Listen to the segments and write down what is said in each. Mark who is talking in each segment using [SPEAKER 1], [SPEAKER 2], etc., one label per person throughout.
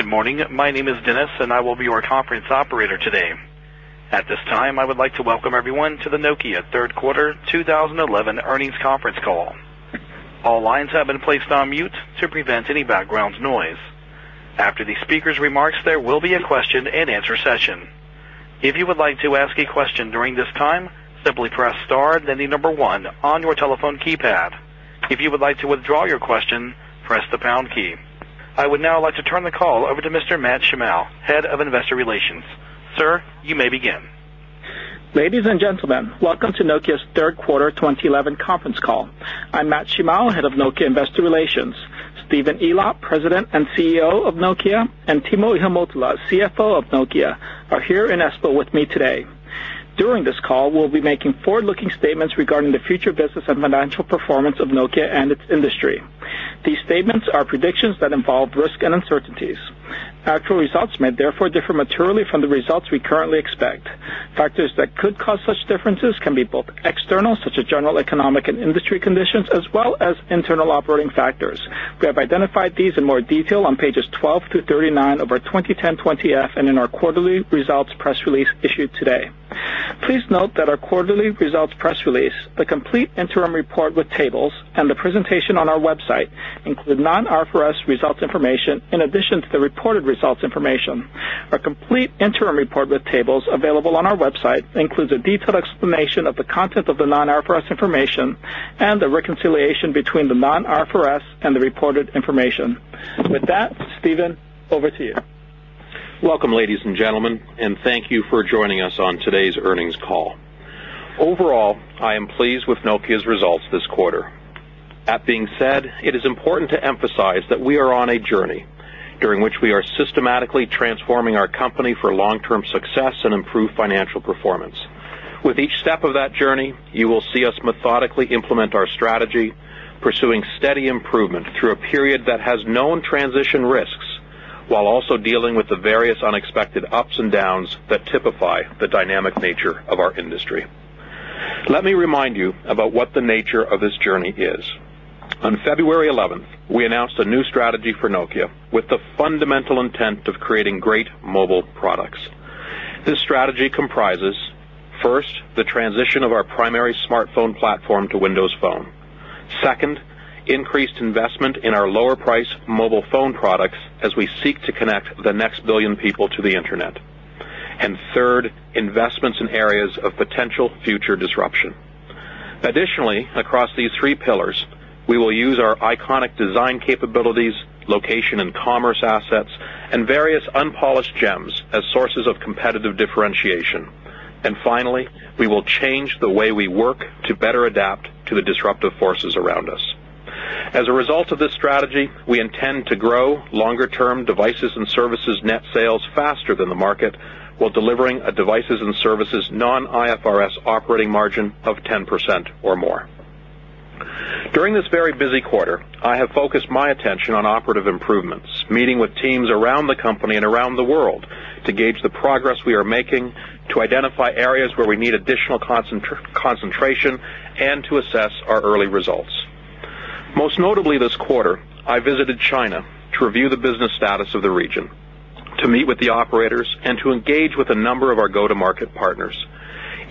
[SPEAKER 1] Good morning. My name is Dennis, and I will be your conference operator today. At this time, I would like to welcome everyone to the Nokia Third Quarter 2011 Earnings Conference Call. All lines have been placed on mute to prevent any background noise. After the speaker's remarks, there will be a question-and-answer session. If you would like to ask a question during this time, simply press star, then the number one on your telephone keypad. If you would like to withdraw your question, press the pound key. I would now like to turn the call over to Mr. Matt Shimao, Head of Investor Relations. Sir, you may begin.
[SPEAKER 2] Ladies and gentlemen, welcome to Nokia's third quarter 2011 conference call. I'm Matt Shimao, Head of Nokia Investor Relations. Stephen Elop, President and CEO of Nokia, and Timo Ihamuotila, CFO of Nokia, are here in Espoo with me today. During this call, we'll be making forward-looking statements regarding the future business and financial performance of Nokia and its industry. These statements are predictions that involve risk and uncertainties. Actual results may therefore differ materially from the results we currently expect. Factors that could cause such differences can be both external, such as general economic and industry conditions, as well as internal operating factors. We have identified these in more detail on pages 12-39 of our 2010 20-F and in our quarterly results press release issued today. Please note that our quarterly results press release, the complete interim report with tables, and the presentation on our website include non-IFRS results information in addition to the reported results information. A complete interim report with tables available on our website includes a detailed explanation of the content of the non-IFRS information and the reconciliation between the non-IFRS and the reported information. With that, Stephen, over to you.
[SPEAKER 3] Welcome, ladies and gentlemen, and thank you for joining us on today's earnings call. Overall, I am pleased with Nokia's results this quarter. That being said, it is important to emphasize that we are on a journey during which we are systematically transforming our company for long-term success and improved financial performance. With each step of that journey, you will see us methodically implement our strategy, pursuing steady improvement through a period that has known transition risks, while also dealing with the various unexpected ups and downs that typify the dynamic nature of our industry. Let me remind you about what the nature of this journey is. On February 11th, we announced a new strategy for Nokia with the fundamental intent of creating great mobile products. This strategy comprises, first, the transition of our primary smartphone platform to Windows Phone. Second, increased investment in our lower price mobile phone products as we seek to connect the next billion people to the Internet. Third, investments in areas of potential future disruption. Additionally, across these three pillars, we will use our iconic design capabilities, location, and commerce assets, and various unpolished gems as sources of competitive differentiation. Finally, we will change the way we work to better adapt to the disruptive forces around us. As a result of this strategy, we intend to grow longer-term Devices & Services net sales faster than the market, while delivering a Devices & Services non-IFRS operating margin of 10% or more. During this very busy quarter, I have focused my attention on operative improvements, meeting with teams around the company and around the world to gauge the progress we are making, to identify areas where we need additional concentration, and to assess our early results. Most notably, this quarter, I visited China to review the business status of the region, to meet with the operators, and to engage with a number of our go-to-market partners.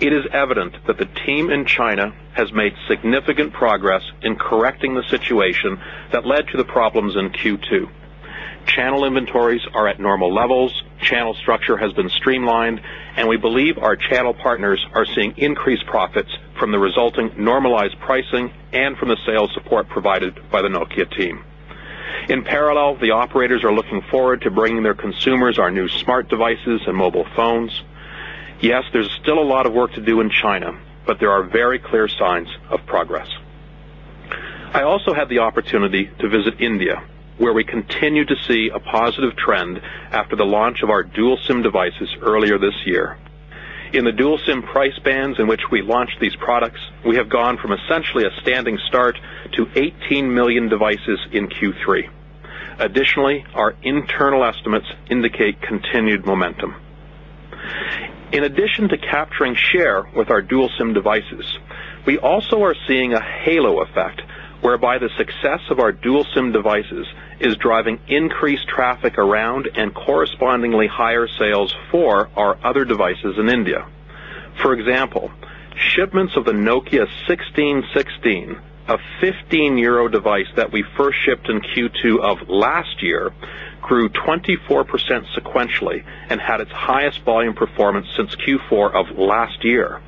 [SPEAKER 3] It is evident that the team in China has made significant progress in correcting the situation that led to the problems in Q2. Channel inventories are at normal levels, channel structure has been streamlined, and we believe our channel partners are seeing increased profits from the resulting normalized pricing and from the sales support provided by the Nokia team. In parallel, the operators are looking forward to bringing their consumers our new Smart Devices and Mobile Phones. Yes, there's still a lot of work to do in China, but there are very clear signs of progress. I also had the opportunity to visit India, where we continue to see a positive trend after the launch of our dual SIM devices earlier this year. In the dual SIM price bands in which we launched these products, we have gone from essentially a standing start to 18 million devices in Q3. Additionally, our internal estimates indicate continued momentum. In addition to capturing share with our dual SIM devices, we also are seeing a halo effect whereby the success of our dual SIM devices is driving increased traffic around and correspondingly higher sales for our other devices in India. For example, shipments of the Nokia 1616, a 15 device that we first shipped in Q2 of last year, grew 24% sequentially and had its highest volume performance since Q4 of last year.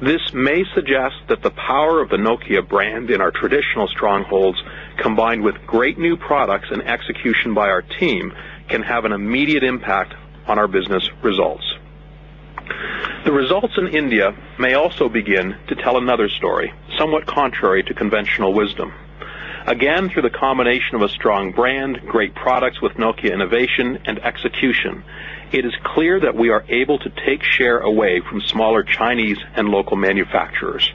[SPEAKER 3] This may suggest that the power of the Nokia brand in our traditional strongholds, combined with great new products and execution by our team, can have an immediate impact on our business results. The results in India may also begin to tell another story, somewhat contrary to conventional wisdom. Again, through the combination of a strong brand, great products with Nokia innovation and execution, it is clear that we are able to take share away from smaller Chinese and local manufacturers.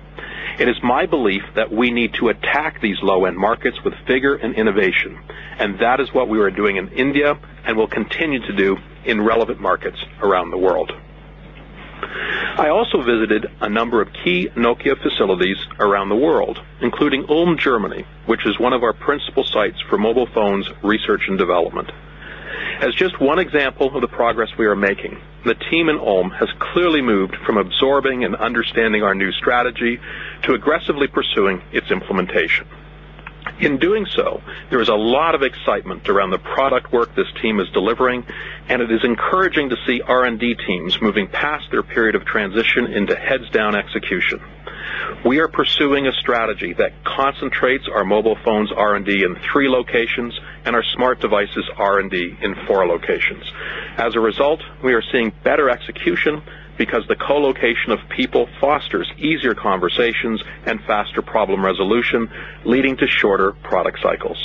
[SPEAKER 3] It is my belief that we need to attack these low-end markets with vigor and innovation, and that is what we are doing in India and will continue to do in relevant markets around the world. I also visited a number of key Nokia facilities around the world, including Ulm, Germany, which is one of our principal sites for Mobile Phones, research, and development. As just one example of the progress we are making, the team in Ulm has clearly moved from absorbing and understanding our new strategy to aggressively pursuing its implementation. In doing so, there is a lot of excitement around the product work this team is delivering, and it is encouraging to see R&D teams moving past their period of transition into heads down execution. We are pursuing a strategy that concentrates our Mobile Phones R&D in three locations and our Smart Devices R&D in four locations. As a result, we are seeing better execution because the co-location of people fosters easier conversations and faster problem resolution, leading to shorter product cycles.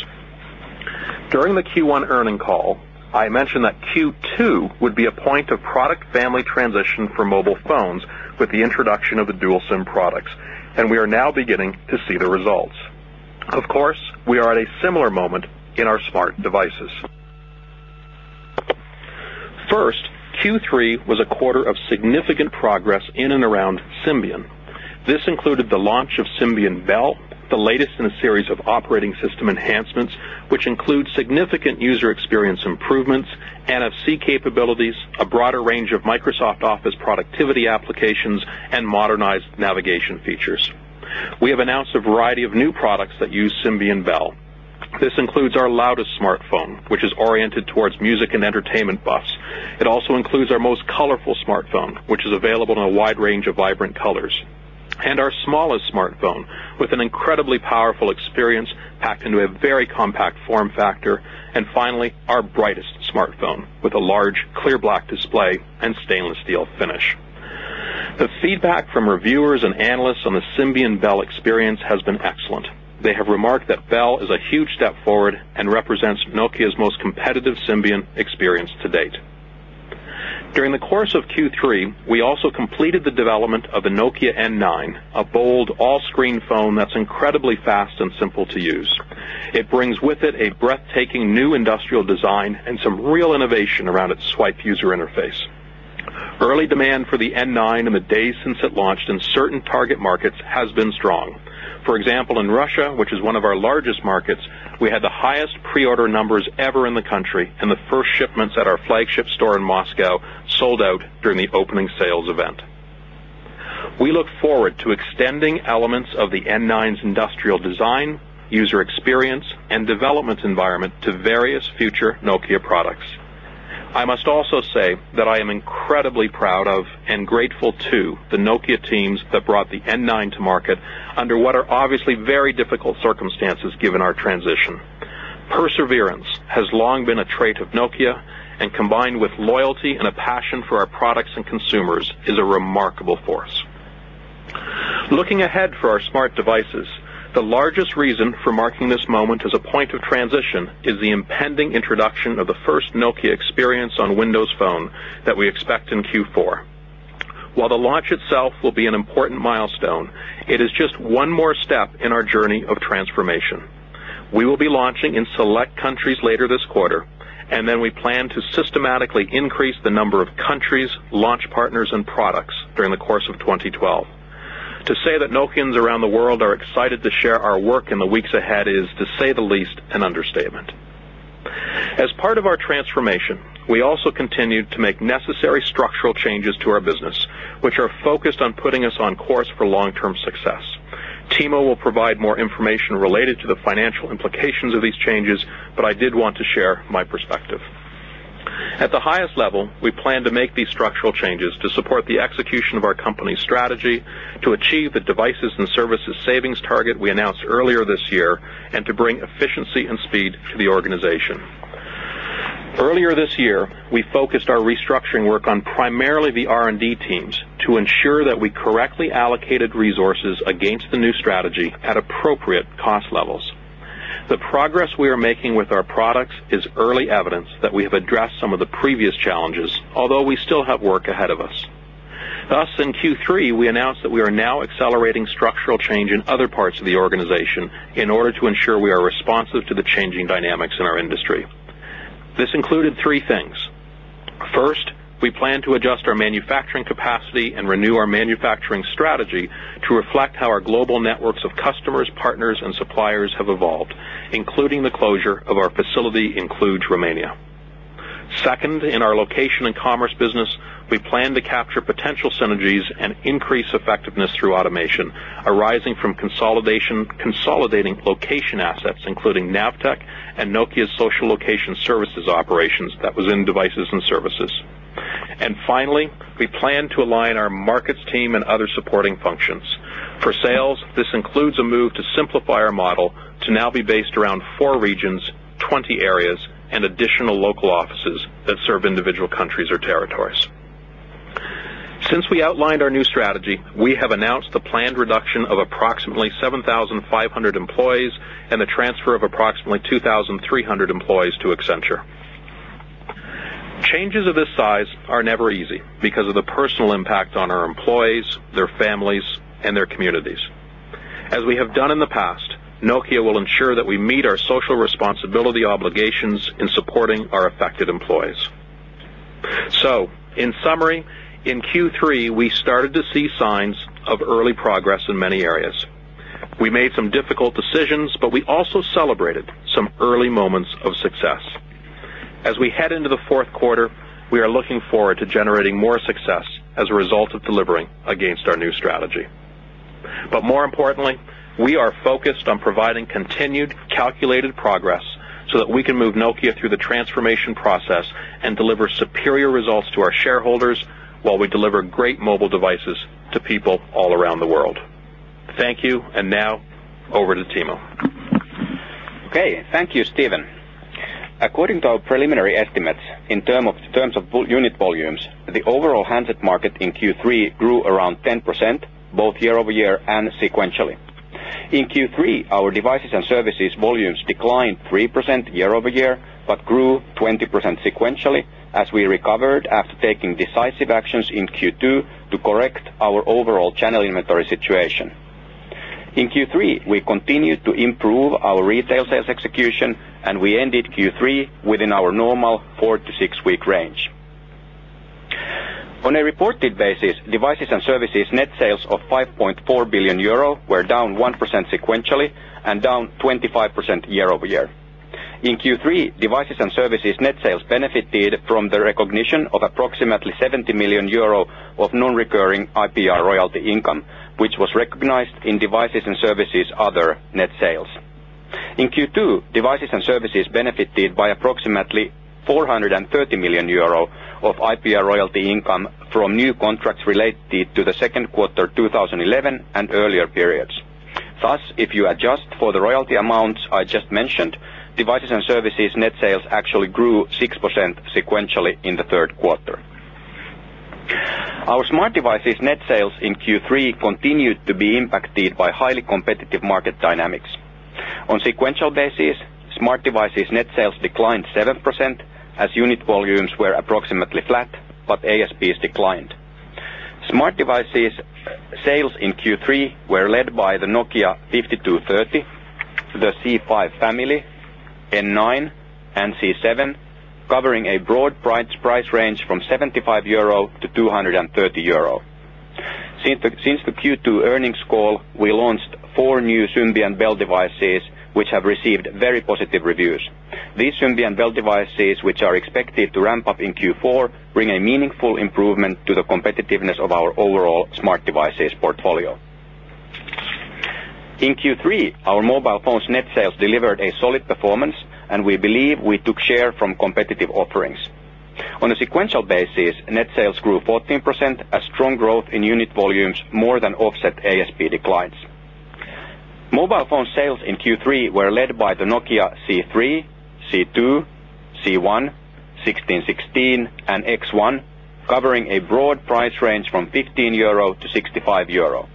[SPEAKER 3] During the Q1 earning call, I mentioned that Q2 would be a point of product family transition for Mobile Phones with the introduction of the dual SIM products, and we are now beginning to see the results. Of course, we are at a similar moment in our Smart Devices. First, Q3 was a quarter of significant progress in and around Symbian. This included the launch of Symbian Belle, the latest in a series of operating system enhancements, which include significant user experience improvements, and [of C] capabilities, a broader range of Microsoft Office productivity applications, and modernized navigation features. We have announced a variety of new products that use Symbian Belle. This includes our loudest smartphone, which is oriented towards music and entertainment buffs. It also includes our most colorful smartphone, which is available in a wide range of vibrant colors, and our smallest smartphone, with an incredibly powerful experience packed into a very compact form factor, and finally, our brightest smartphone with a large, clear black display and stainless steel finish. The feedback from reviewers and analysts on the Symbian Belle experience has been excellent. They have remarked that Belle is a huge step forward and represents Nokia's most competitive Symbian experience to-date. During the course of Q3, we also completed the development of the Nokia N9, a bold, all-screen phone that's incredibly fast and simple to use. It brings with it a breathtaking new industrial design and some real innovation around its swipe user interface. Early demand for the N9 in the days since it launched in certain target markets has been strong. For example, in Russia, which is one of our largest markets, we had the highest pre-order numbers ever in the country, and the first shipments at our flagship store in Moscow sold out during the opening sales event. We look forward to extending elements of the N9's industrial design, user experience, and development environment to various future Nokia products. I must also say that I am incredibly proud of and grateful to the Nokia teams that brought the N9 to market under what are obviously very difficult circumstances, given our transition. Perseverance has long been a trait of Nokia, and combined with loyalty and a passion for our products and consumers, is a remarkable force. Looking ahead for our Smart Devices, the largest reason for marking this moment as a point of transition is the impending introduction of the first Nokia experience on Windows Phone that we expect in Q4. While the launch itself will be an important milestone, it is just one more step in our journey of transformation. We will be launching in select countries later this quarter, and then we plan to systematically increase the number of countries, launch partners, and products during the course of 2012. To say that Nokians around the world are excited to share our work in the weeks ahead is, to say the least, an understatement. As part of our transformation, we also continued to make necessary structural changes to our business, which are focused on putting us on course for long-term success. Timo will provide more information related to the financial implications of these changes, but I did want to share my perspective. At the highest level, we plan to make these structural changes to support the execution of our company's strategy, to achieve the Devices & Services savings target we announced earlier this year, and to bring efficiency and speed to the organization. Earlier this year, we focused our restructuring work on primarily the R&D teams to ensure that we correctly allocated resources against the new strategy at appropriate cost levels. The progress we are making with our products is early evidence that we have addressed some of the previous challenges, although we still have work ahead of us. Thus, in Q3, we announced that we are now accelerating structural change in other parts of the organization in order to ensure we are responsive to the changing dynamics in our industry. This included three things. First, we plan to adjust our manufacturing capacity and renew our manufacturing strategy to reflect how our global networks of customers, partners, and suppliers have evolved, including the closure of our facility in Cluj, Romania. Second, in our Location & Commerce business, we plan to capture potential synergies and increase effectiveness through automation arising from consolidation, consolidating location assets, including NAVTEQ and Nokia's social location services operations that was in Devices & Services . Finally, we plan to align our markets team and other supporting functions. For sales, this includes a move to simplify our model to now be based around four regions, 20 areas, and additional local offices that serve individual countries or territories. Since we outlined our new strategy, we have announced the planned reduction of approximately 7,500 employees and the transfer of approximately 2,300 employees to Accenture. Changes of this size are never easy because of the personal impact on our employees, their families, and their communities. As we have done in the past, Nokia will ensure that we meet our social responsibility obligations in supporting our affected employees. So in summary, in Q3, we started to see signs of early progress in many areas. We made some difficult decisions, but we also celebrated some early moments of success. As we head into the fourth quarter, we are looking forward to generating more success as a result of delivering against our new strategy. But more importantly, we are focused on providing continued calculated progress so that we can move Nokia through the transformation process and deliver superior results to our shareholders, while we deliver great mobile devices to people all around the world. Thank you, and now over to Timo.
[SPEAKER 4] Okay, thank you, Stephen. According to our preliminary estimates, in terms of unit volumes, the overall handset market in Q3 grew around 10%, both year-over-year and sequentially. In Q3, our Devices & Services volumes declined 3% year-over-year, but grew 20% sequentially as we recovered after taking decisive actions in Q2 to correct our overall channel inventory situation. In Q3, we continued to improve our retail sales execution, and we ended Q3 within our normal four to six week range. On a reported basis, Devices & Services net sales of 5.4 billion euro were down 1% sequentially and down 25% year-over-year. In Q3, Devices & Services net sales benefited from the recognition of approximately 70 million euro of non-recurring IPR royalty income, which was recognized in Devices & Services other net sales. In Q2, Devices & Services benefited by approximately 430 million euro of IPR royalty income from new contracts related to the second quarter, 2011 and earlier periods. Thus, if you adjust for the royalty amounts I just mentioned, Devices & Services net sales actually grew 6% sequentially in the third quarter. Our Smart Devices net sales in Q3 continued to be impacted by highly competitive market dynamics. On sequential basis, Smart Devices net sales declined 7% as unit volumes were approximately flat, but ASPs declined. Smart Devices sales in Q3 were led by the Nokia 5230, the C5 family, N9, and C7, covering a broad price range from 75-230 euro. Since the Q2 earnings call, we launched four new Symbian Belle devices, which have received very positive reviews. These Symbian Belle devices, which are expected to ramp up in Q4, bring a meaningful improvement to the competitiveness of our overall Smart Devices portfolio. In Q3, our Mobile Phones net sales delivered a solid performance, and we believe we took share from competitive offerings. On a sequential basis, net sales grew 14% as strong growth in unit volumes more than offset ASP declines. Mobile phone sales in Q3 were led by the Nokia C3, C2, C1, 1616, and X1, covering a broad price range from 15 EUR-65 EUR.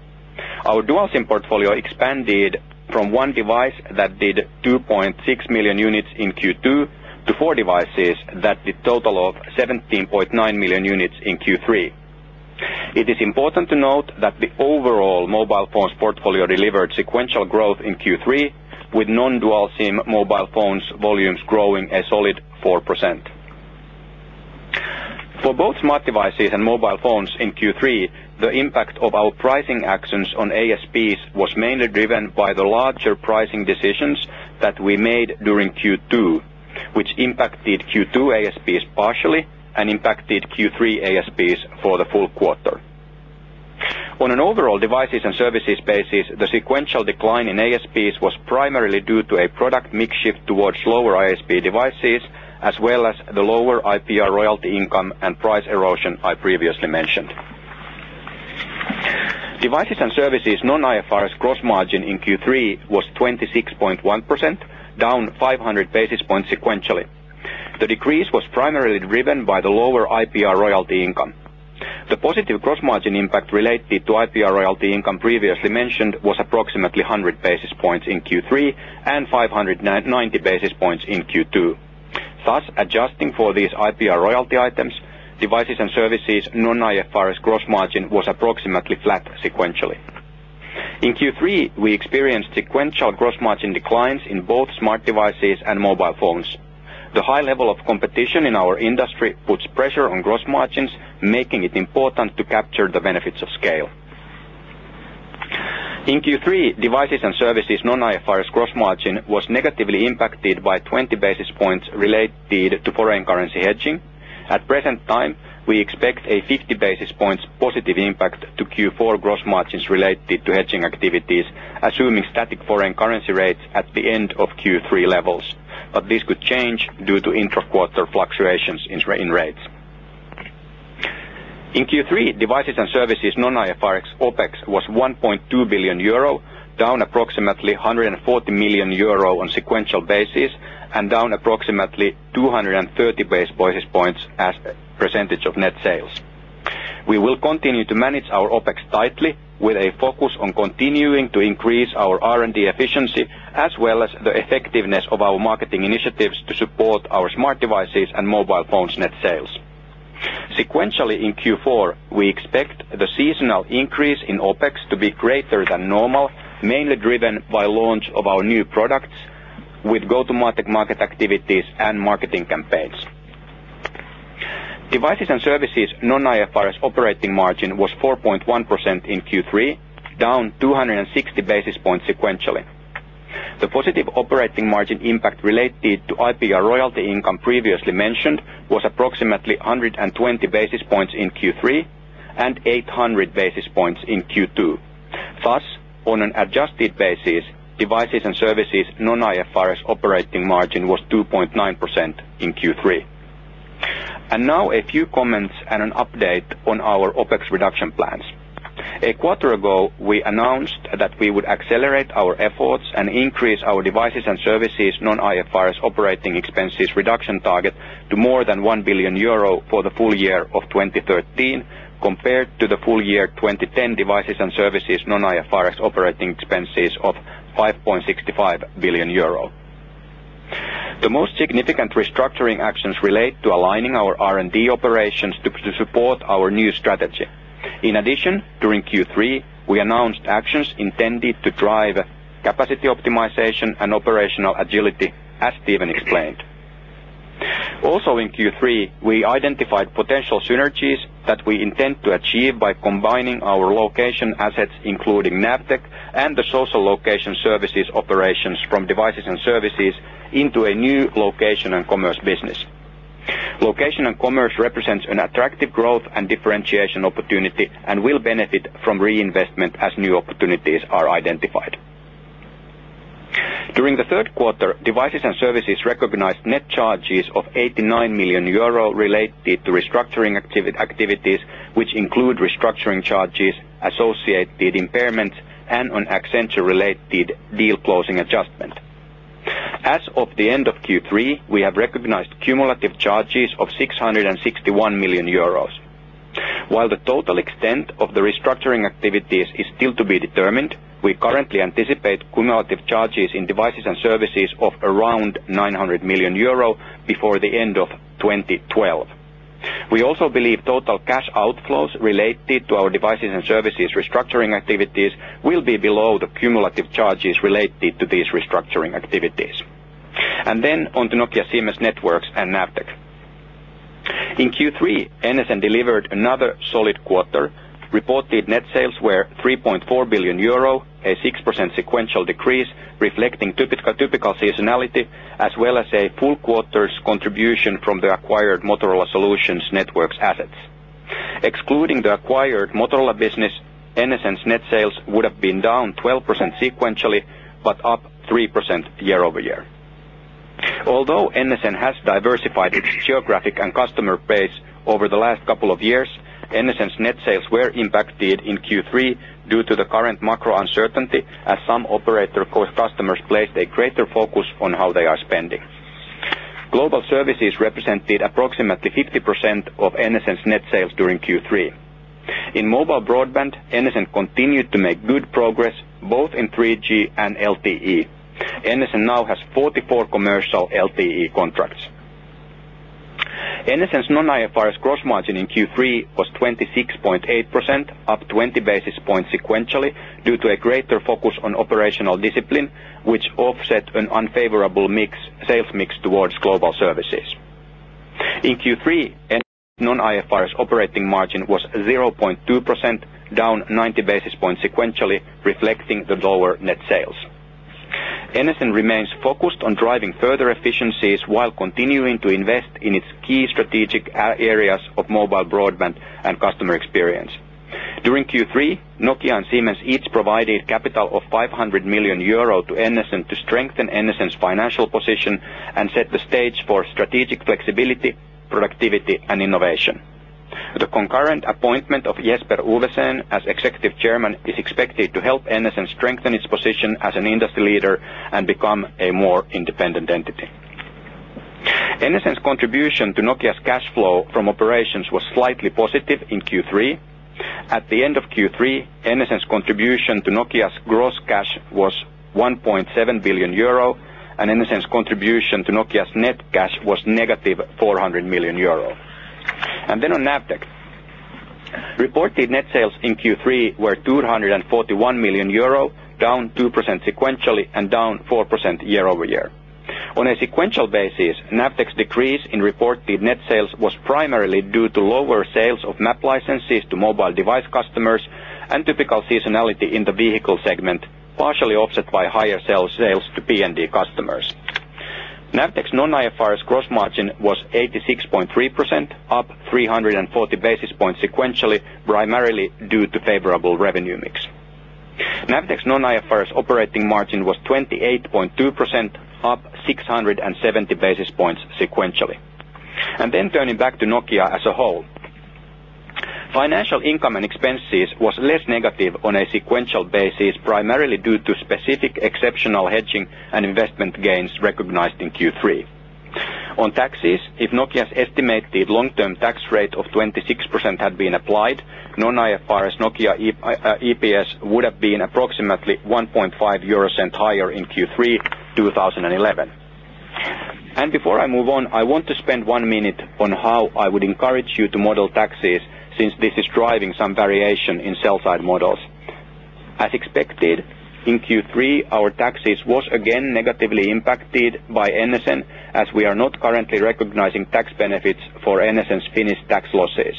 [SPEAKER 4] Our Dual SIM portfolio expanded from one device that did 2.6 million units in Q2 to four devices that did total of 17.9 million units in Q3. It is important to note that the overall Mobile Phones portfolio delivered sequential growth in Q3, with non-Dual SIM Mobile Phones volumes growing a solid 4%. For both Smart Devices and Mobile Phones in Q3, the impact of our pricing actions on ASPs was mainly driven by the larger pricing decisions that we made during Q2, which impacted Q2 ASPs partially and impacted Q3 ASPs for the full quarter. On an overall Devices & Services basis, the sequential decline in ASPs was primarily due to a product mix shift towards lower ASP devices, as well as the lower IPR royalty income and price erosion I previously mentioned. Devices & Services non-IFRS gross margin in Q3 was 26.1%, down 500 basis points sequentially. The decrease was primarily driven by the lower IPR royalty income. The positive gross margin impact related to IPR royalty income previously mentioned was approximately 100 basis points in Q3 and 590 basis points in Q2. Thus, adjusting for these IPR royalty items, Devices & Services, non-IFRS gross margin was approximately flat sequentially. In Q3, we experienced sequential gross margin declines in both Smart Devices and Mobile Phones. The high level of competition in our industry puts pressure on gross margins, making it important to capture the benefits of scale. In Q3, Devices & Services non-IFRS gross margin was negatively impacted by 20 basis points related to foreign currency hedging. At present time, we expect a 50 basis points positive impact to Q4 gross margins related to hedging activities, assuming static foreign currency rates at the end of Q3 levels. This could change due to intra-quarter fluctuations in rates. In Q3, Devices & Services non-IFRS OpEx was 1.2 billion euro, down approximately 140 million euro on sequential basis and down approximately 230 basis points as a percentage of net sales. We will continue to manage our OpEx tightly with a focus on continuing to increase our R&D efficiency, as well as the effectiveness of our marketing initiatives to support our Smart Devices and Mobile Phones net sales. Sequentially in Q4, we expect the seasonal increase in OpEx to be greater than normal, mainly driven by launch of our new products with go-to-market market activities and marketing campaigns. Devices & Services non-IFRS operating margin was 4.1% in Q3, down 260 basis points sequentially. The positive operating margin impact related to IPR royalty income previously mentioned was approximately 120 basis points in Q3, and 800 basis points in Q2. Thus, on an adjusted basis, Devices & Services non-IFRS operating margin was 2.9% in Q3. Now a few comments and an update on our OpEx reduction plans. A quarter ago, we announced that we would accelerate our efforts and increase our Devices & Services non-IFRS operating expenses reduction target to more than 1 billion euro for the full year of 2013, compared to the full year 2010 Devices & Services non-IFRS operating expenses of 5.65 billion euro. The most significant restructuring actions relate to aligning our R&D operations to support our new strategy. In addition, during Q3, we announced actions intended to drive capacity optimization and operational agility, as Stephen explained. Also in Q3, we identified potential synergies that we intend to achieve by combining our location assets, including NAVTEQ and the social location services operations from Devices & Services into a new Location & Commerce business. Location & Commerce represents an attractive growth and differentiation opportunity and will benefit from reinvestment as new opportunities are identified. During the third quarter, Devices & Services recognized net charges of 89 million euro related to restructuring activities, which include restructuring charges, associated impairment, and an Accenture-related deal closing adjustment. As of the end of Q3, we have recognized cumulative charges of 661 million euros. While the total extent of the restructuring activities is still to be determined, we currently anticipate cumulative charges in Devices & Services of around 900 million euro before the end of 2012. We also believe total cash outflows related to our Devices & Services restructuring activities will be below the cumulative charges related to these restructuring activities. Then on to Nokia Siemens Networks and NAVTEQ. In Q3, NSN delivered another solid quarter. Reported net sales were 3.4 billion euro, a 6% sequential decrease, reflecting typical seasonality, as well as a full quarter's contribution from the acquired Motorola Solutions networks assets. Excluding the acquired Motorola business, NSN's net sales would have been down 12% sequentially, but up 3% year-over-year. Although NSN has diversified its geographic and customer base over the last couple of years, NSN's net sales were impacted in Q3 due to the current macro uncertainty, as some operator core customers placed a greater focus on how they are spending. Global services represented approximately 50% of NSN's net sales during Q3. In mobile broadband, NSN continued to make good progress, both in 3G and LTE. NSN now has 44 commercial LTE contracts. NSN's non-IFRS gross margin in Q3 was 26.8%, up 20 basis points sequentially, due to a greater focus on operational discipline, which offset an unfavorable mix, sales mix towards global services. In Q3, NSN non-IFRS operating margin was 0.2%, down 90 basis points sequentially, reflecting the lower net sales. NSN remains focused on driving further efficiencies while continuing to invest in its key strategic areas of mobile broadband and customer experience. During Q3, Nokia and Siemens each provided capital of 500 million euro to NSN to strengthen NSN's financial position and set the stage for strategic flexibility, productivity, and innovation. The concurrent appointment of Jesper Ovesen as Executive Chairman is expected to help NSN strengthen its position as an industry leader and become a more independent entity. NSN's contribution to Nokia's cash flow from operations was slightly positive in Q3. At the end of Q3, NSN's contribution to Nokia's gross cash was 1.7 billion euro, and NSN's contribution to Nokia's net cash was -400 million euro. Then on NAVTEQ. Reported net sales in Q3 were 241 million euro, down 2% sequentially and down 4% year-over-year. On a sequential basis, NAVTEQ's decrease in reported net sales was primarily due to lower sales of map licenses to mobile device customers and typical seasonality in the vehicle segment, partially offset by higher sales to PND customers. NAVTEQ's non-IFRS gross margin was 86.3%, up 340 basis points sequentially, primarily due to favorable revenue mix. NAVTEQ's non-IFRS operating margin was 28.2%, up 670 basis points sequentially. Then turning back to Nokia as a whole. Financial income and expenses was less negative on a sequential basis, primarily due to specific exceptional hedging and investment gains recognized in Q3. On taxes, if Nokia's estimated long-term tax rate of 26% had been applied, non-IFRS Nokia EPS would have been approximately 0.015 euros higher in Q3 2011. Before I move on, I want to spend one minute on how I would encourage you to model taxes, since this is driving some variation in sell side models. As expected, in Q3, our taxes was again negatively impacted by NSN, as we are not currently recognizing tax benefits for NSN's Finnish tax losses.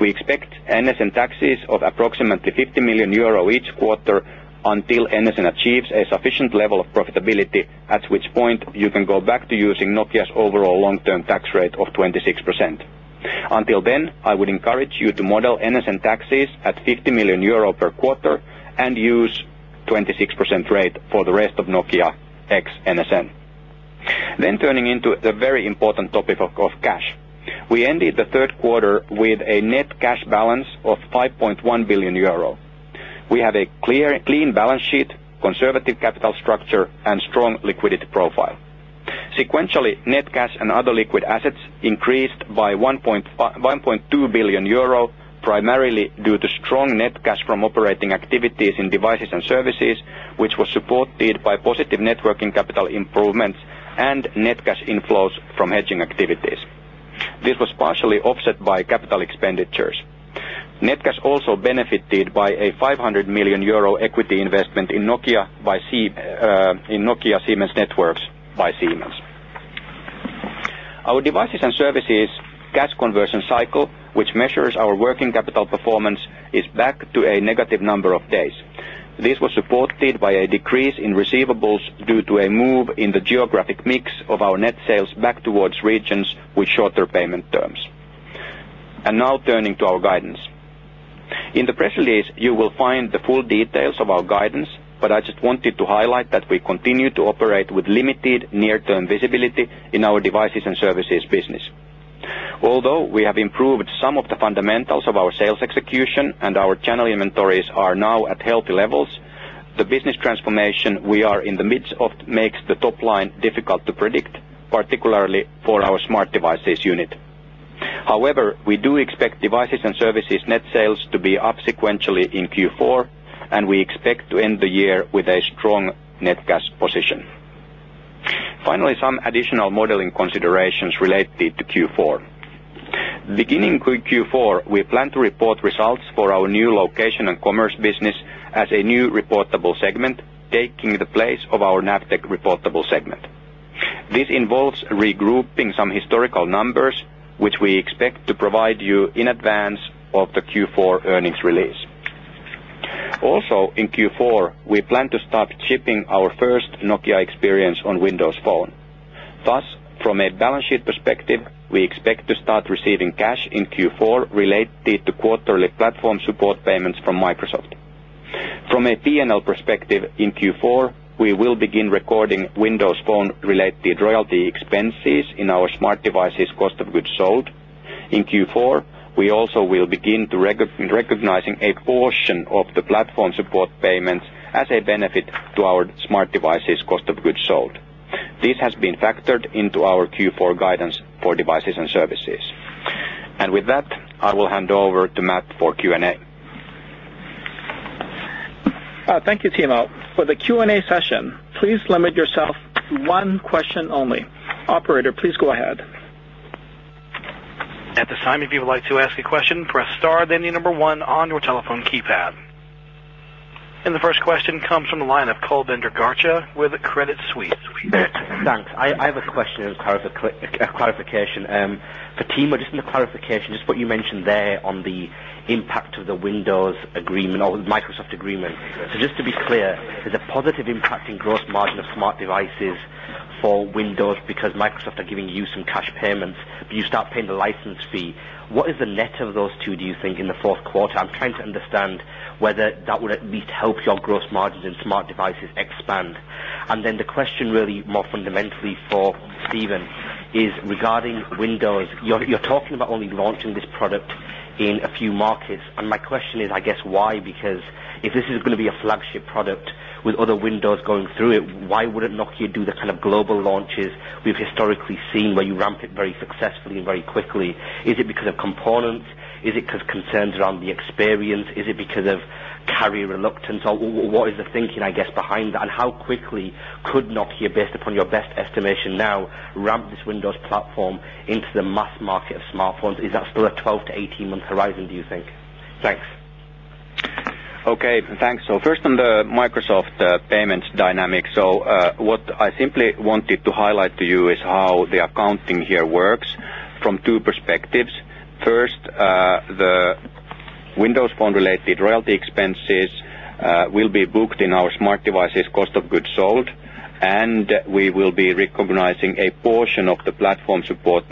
[SPEAKER 4] We expect NSN taxes of approximately 50 million euro each quarter until NSN achieves a sufficient level of profitability, at which point you can go back to using Nokia's overall long-term tax rate of 26%. Until then, I would encourage you to model NSN taxes at 50 million euro per quarter and use 26% rate for the rest of Nokia ex-NSN. Then turning into the very important topic of, of cash. We ended the third quarter with a net cash balance of 5.1 billion euro. We have a clear, clean balance sheet, conservative capital structure, and strong liquidity profile. Sequentially, net cash and other liquid assets increased by 1.2 billion euro, primarily due to strong net cash from operating activities in Devices & Services, which was supported by positive working capital improvements and net cash inflows from hedging activities. This was partially offset by capital expenditures. Net cash also benefited by a 500 million euro equity investment in Nokia Siemens Networks by Siemens. Our Devices & Services cash conversion cycle, which measures our working capital performance, is back to a negative number of days. This was supported by a decrease in receivables due to a move in the geographic mix of our net sales back towards regions with shorter payment terms. Now turning to our guidance. In the press release, you will find the full details of our guidance, but I just wanted to highlight that we continue to operate with limited near-term visibility in our Devices & Services business. Although we have improved some of the fundamentals of our sales execution and our channel inventories are now at healthy levels, the business transformation we are in the midst of makes the top line difficult to predict, particularly for our Smart Devices unit. However, we do expect Devices & Services net sales to be up sequentially in Q4, and we expect to end the year with a strong net cash position. Finally, some additional modeling considerations related to Q4. Beginning with Q4, we plan to report results for our new Location & Commerce business as a new reportable segment, taking the place of our NAVTEQ reportable segment. This involves regrouping some historical numbers, which we expect to provide you in advance of the Q4 earnings release. Also, in Q4, we plan to start shipping our first Nokia experience on Windows Phone. Thus, from a balance sheet perspective, we expect to start receiving cash in Q4 related to quarterly platform support payments from Microsoft. From a P&L perspective, in Q4, we will begin recording Windows Phone-related royalty expenses in our Smart Devices cost of goods sold. In Q4, we also will begin recognizing a portion of the platform support payments as a benefit to our Smart Devices cost of goods sold. This has been factored into our Q4 guidance for Devices & Services. With that, I will hand over to Matt for Q&A.
[SPEAKER 2] Thank you, Timo. For the Q&A session, please limit yourself to one question only. Operator, please go ahead.
[SPEAKER 1] At this time, if you would like to ask a question, press star, then the number one on your telephone keypad. The first question comes from the line of Kulbinder Garcha with Credit Suisse.
[SPEAKER 5] Thanks. I have a question and a clarification. For Timo, just in the clarification, just what you mentioned there on the impact of the Windows agreement or the Microsoft agreement. So just to be clear, there's a positive impact in gross margin of Smart Devices for Windows because Microsoft are giving you some cash payments, but you start paying the license fee. What is the net of those two, do you think, in the fourth quarter? I'm trying to understand whether that would at least help your gross margins in Smart Devices expand. And then the question, really, more fundamentally for Stephen, is regarding Windows. You're talking about only launching this product in a few markets, and my question is, I guess, why? Because if this is going to be a flagship product with other Windows going through it, why wouldn't Nokia do the kind of global launches we've historically seen, where you ramp it very successfully and very quickly? Is it because of components? Is it because concerns around the experience? Is it because of carrier reluctance? Or what is the thinking, I guess, behind that, and how quickly could Nokia, based upon your best estimation now, ramp this Windows platform into the mass market of smartphones? Is that still a 12- to 18-month horizon, do you think? Thanks.
[SPEAKER 4] Okay, thanks. So first, on the Microsoft payments dynamic. What I simply wanted to highlight to you is how the accounting here works from two perspectives. First, the Windows Phone-related royalty expenses will be booked in our Smart Devices cost of goods sold, and we will be recognizing a portion of the platform support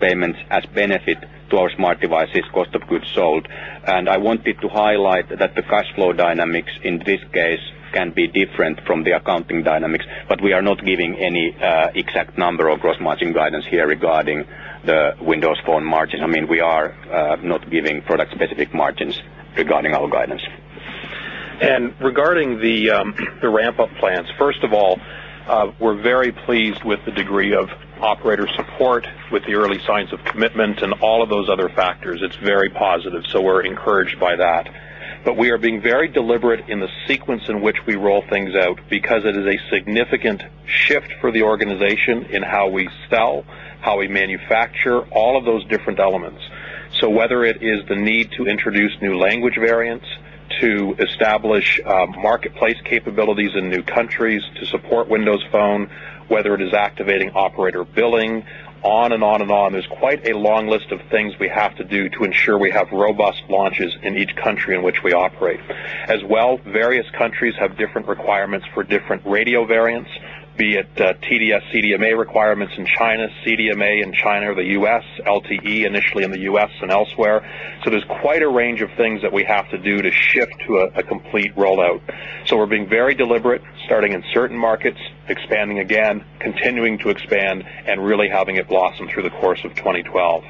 [SPEAKER 4] payments as benefit to our Smart Devices cost of goods sold. I wanted to highlight that the cash flow dynamics in this case can be different from the accounting dynamics, but we are not giving any exact number of gross margin guidance here regarding the Windows Phone margin. I mean, we are not giving product-specific margins regarding our guidance.
[SPEAKER 3] Regarding the ramp-up plans, first of all, we're very pleased with the degree of operator support, with the early signs of commitment and all of those other factors. It's very positive, so we're encouraged by that... But we are being very deliberate in the sequence in which we roll things out because it is a significant shift for the organization in how we sell, how we manufacture, all of those different elements. So whether it is the need to introduce new language variants, to establish marketplace capabilities in new countries to support Windows Phone, whether it is activating operator billing, on and on and on, there's quite a long list of things we have to do to ensure we have robust launches in each country in which we operate. As well, various countries have different requirements for different radio variants, be it TD-SCDMA, CDMA requirements in China, CDMA in China or the U.S., LTE initially in the U.S. and elsewhere. So there's quite a range of things that we have to do to shift to a, a complete rollout. So we're being very deliberate, starting in certain markets, expanding again, continuing to expand, and really having it blossom through the course of 2012.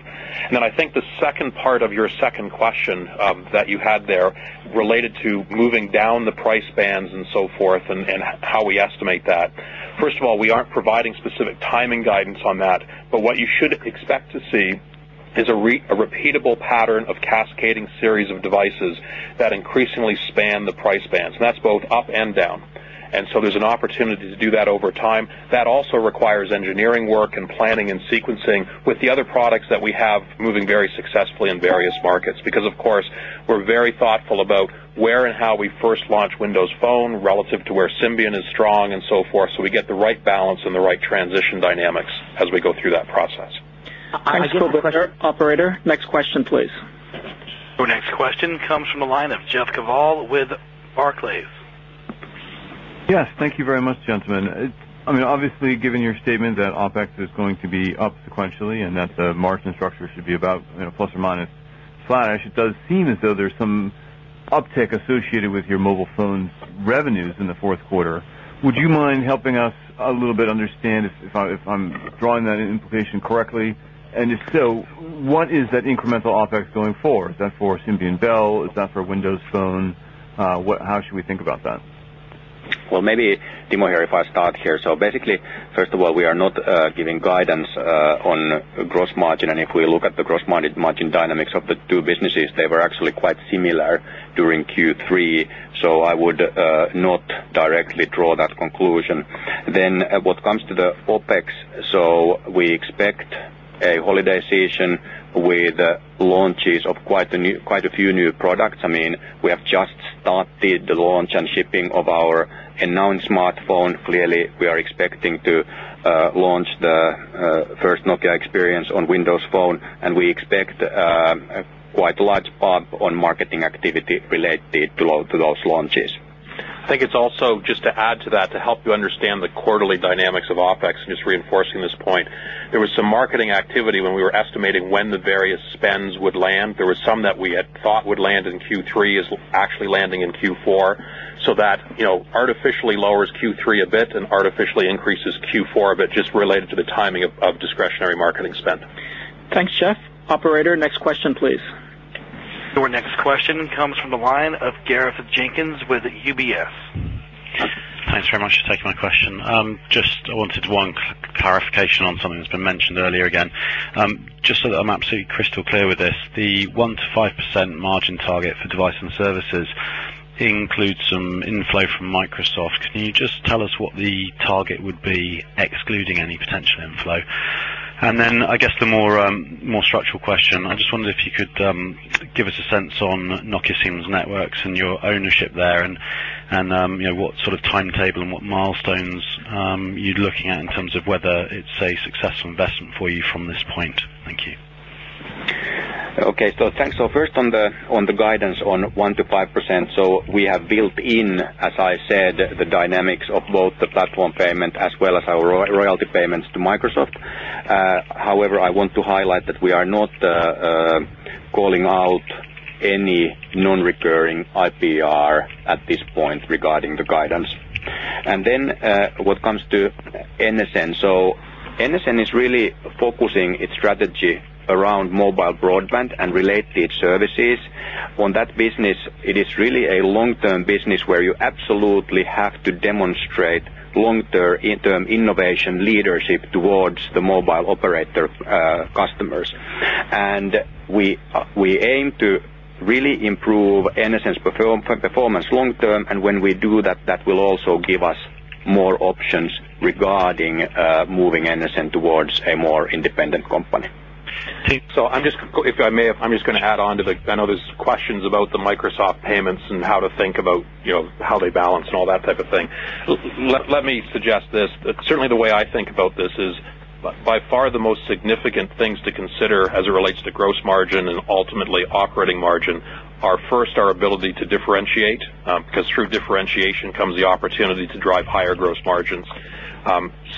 [SPEAKER 3] And then I think the second part of your second question, that you had there related to moving down the price bands and so forth, and, and how we estimate that. First of all, we aren't providing specific timing guidance on that, but what you should expect to see is a repeatable pattern of cascading series of devices that increasingly span the price bands, and that's both up and down. So there's an opportunity to do that over time. That also requires engineering work and planning and sequencing with the other products that we have moving very successfully in various markets. Because, of course, we're very thoughtful about where and how we first launch Windows Phone relative to where Symbian is strong and so forth, so we get the right balance and the right transition dynamics as we go through that process.
[SPEAKER 2] Thanks for the question. Operator, next question, please.
[SPEAKER 1] Your next question comes from the line of Jeff Kvaal with Barclays.
[SPEAKER 6] Yes, thank you very much, gentlemen. It's—I mean, obviously, given your statement that OpEx is going to be up sequentially and that the margin structure should be about, you know, plus or minus flat, it does seem as though there's some uptick associated with your Mobile Phones revenues in the fourth quarter. Would you mind helping us a little bit understand if I, if I'm drawing that implication correctly? And if so, what is that incremental OpEx going forward? Is that for Symbian Belle? Is that for Windows Phone? What—how should we think about that?
[SPEAKER 4] Well, maybe, Timo here, if I start here. So basically, first of all, we are not giving guidance on gross margin. And if we look at the gross margin, margin dynamics of the two businesses, they were actually quite similar during Q3, so I would not directly draw that conclusion. Then, what comes to the OpEx, so we expect a holiday season with launches of quite a few new products. I mean, we have just started the launch and shipping of our announced smartphone. Clearly, we are expecting to launch the first Nokia experience on Windows Phone, and we expect quite a large pop on marketing activity related to those launches.
[SPEAKER 3] I think it's also, just to add to that, to help you understand the quarterly dynamics of OpEx and just reinforcing this point, there was some marketing activity when we were estimating when the various spends would land. There was some that we had thought would land in Q3 is actually landing in Q4. So that, you know, artificially lowers Q3 a bit and artificially increases Q4, but just related to the timing of discretionary marketing spend.
[SPEAKER 2] Thanks, Jeff. Operator, next question, please.
[SPEAKER 1] Your next question comes from the line of Gareth Jenkins with UBS.
[SPEAKER 7] Thanks very much for taking my question. Just I wanted one clarification on something that's been mentioned earlier again. Just so that I'm absolutely crystal clear with this, the 1%-5% margin target for device and services includes some inflow from Microsoft. Can you just tell us what the target would be, excluding any potential inflow? And then, I guess, the more, more structural question, I just wondered if you could, give us a sense on Nokia Siemens Networks and your ownership there, and, and, you know, what sort of timetable and what milestones, you're looking at in terms of whether it's a successful investment for you from this point? Thank you.
[SPEAKER 4] Okay. So thanks. So first on the guidance on 1%-5%. So we have built in, as I said, the dynamics of both the platform payment as well as our royalty payments to Microsoft. However, I want to highlight that we are not calling out any non-recurring IPR at this point regarding the guidance. And then, what comes to NSN. So NSN is really focusing its strategy around mobile broadband and related services. On that business, it is really a long-term business where you absolutely have to demonstrate long-term innovation leadership towards the mobile operator customers. And we aim to really improve NSN's performance long term, and when we do that, that will also give us more options regarding moving NSN towards a more independent company.
[SPEAKER 3] So, if I may, I'm just going to add on to the... I know there's questions about the Microsoft payments and how to think about, you know, how they balance and all that type of thing. Let me suggest this. Certainly, the way I think about this is, by far the most significant things to consider as it relates to gross margin and ultimately operating margin are first, our ability to differentiate, because through differentiation comes the opportunity to drive higher gross margins.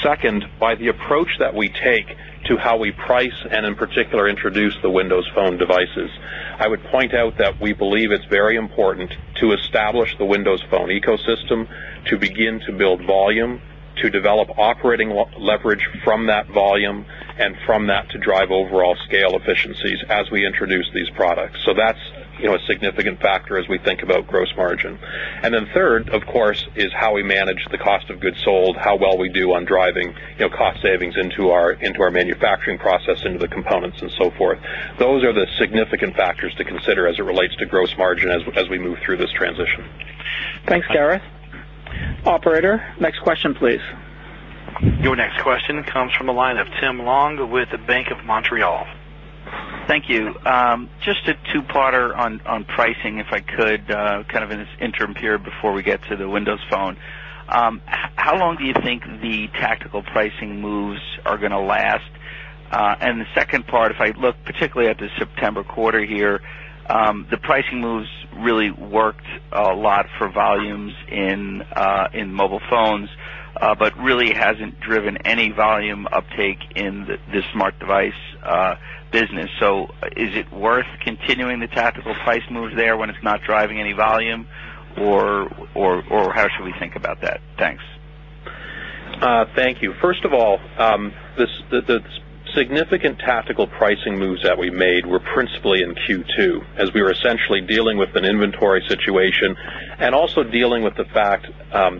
[SPEAKER 3] Second, by the approach that we take to how we price and, in particular, introduce the Windows Phone devices. I would point out that we believe it's very important to establish the Windows Phone ecosystem, to begin to build volume, to develop operating leverage from that volume, and from that, to drive overall scale efficiencies as we introduce these products. So that's, you know, a significant factor as we think about gross margin. And then third, of course, is how we manage the cost of goods sold, how well we do on driving, you know, cost savings into our manufacturing process, into the components and so forth. Those are the significant factors to consider as it relates to gross margin as we move through this transition.
[SPEAKER 2] Thanks, Gareth. Operator, next question, please.
[SPEAKER 1] Your next question comes from the line of Tim Long with the Bank of Montreal.
[SPEAKER 8] Thank you. Just a two-parter on pricing, if I could, kind of in this interim period before we get to the Windows Phone. How long do you think the tactical pricing moves are going to last? And the second part, if I look particularly at the September quarter here, the pricing moves really worked a lot for volumes in Mobile Phones, but really hasn't driven any volume uptake in the Smart Devices business. So is it worth continuing the tactical price moves there when it's not driving any volume? Or how should we think about that? Thanks.
[SPEAKER 3] Thank you. First of all, the significant tactical pricing moves that we made were principally in Q2, as we were essentially dealing with an inventory situation and also dealing with the fact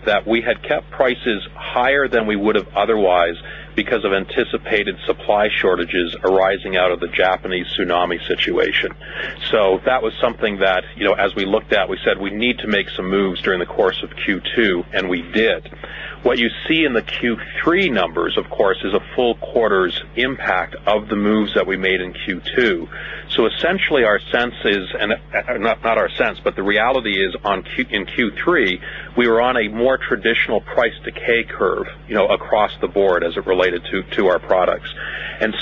[SPEAKER 3] that we had kept prices higher than we would have otherwise because of anticipated supply shortages arising out of the Japanese tsunami situation. So that was something that, you know, as we looked at, we said, we need to make some moves during the course of Q2, and we did. What you see in the Q3 numbers, of course, is a full quarter's impact of the moves that we made in Q2. So essentially, the reality is in Q3, we were on a more traditional price decay curve, you know, across the board as it related to our products.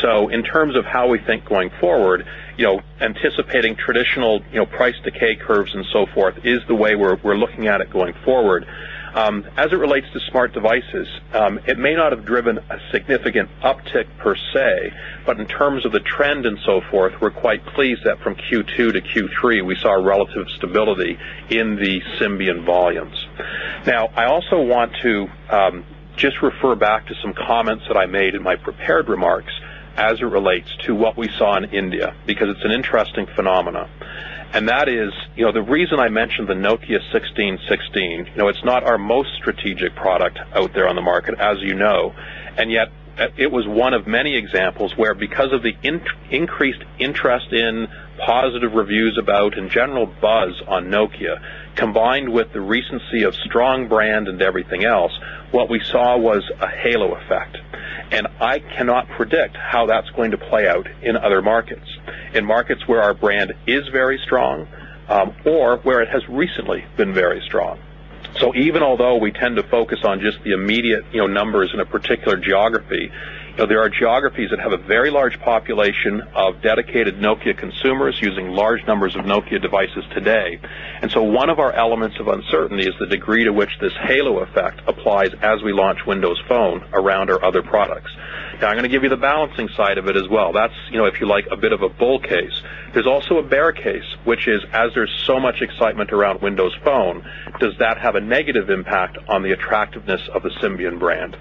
[SPEAKER 3] So in terms of how we think going forward, you know, anticipating traditional, you know, price decay curves and so forth is the way we're looking at it going forward. As it relates to Smart Devices, it may not have driven a significant uptick per se, but in terms of the trend and so forth, we're quite pleased that from Q2 to Q3, we saw a relative stability in the Symbian volumes. Now, I also want to just refer back to some comments that I made in my prepared remarks as it relates to what we saw in India, because it's an interesting phenomenon. That is, you know, the reason I mentioned the Nokia 1616, you know, it's not our most strategic product out there on the market, as you know. And yet, it was one of many examples where because of the increased interest in positive reviews about in general buzz on Nokia, combined with the recency of strong brand and everything else, what we saw was a halo effect. And I cannot predict how that's going to play out in other markets, in markets where our brand is very strong, or where it has recently been very strong. So even although we tend to focus on just the immediate, you know, numbers in a particular geography, there are geographies that have a very large population of dedicated Nokia consumers using large numbers of Nokia devices today. And so one of our elements of uncertainty is the degree to which this halo effect applies as we launch Windows Phone around our other products. Now, I'm going to give you the balancing side of it as well. That's, you know, if you like, a bit of a bull case. There's also a bear case, which is as there's so much excitement around Windows Phone, does that have a negative impact on the attractiveness of the Symbian brand?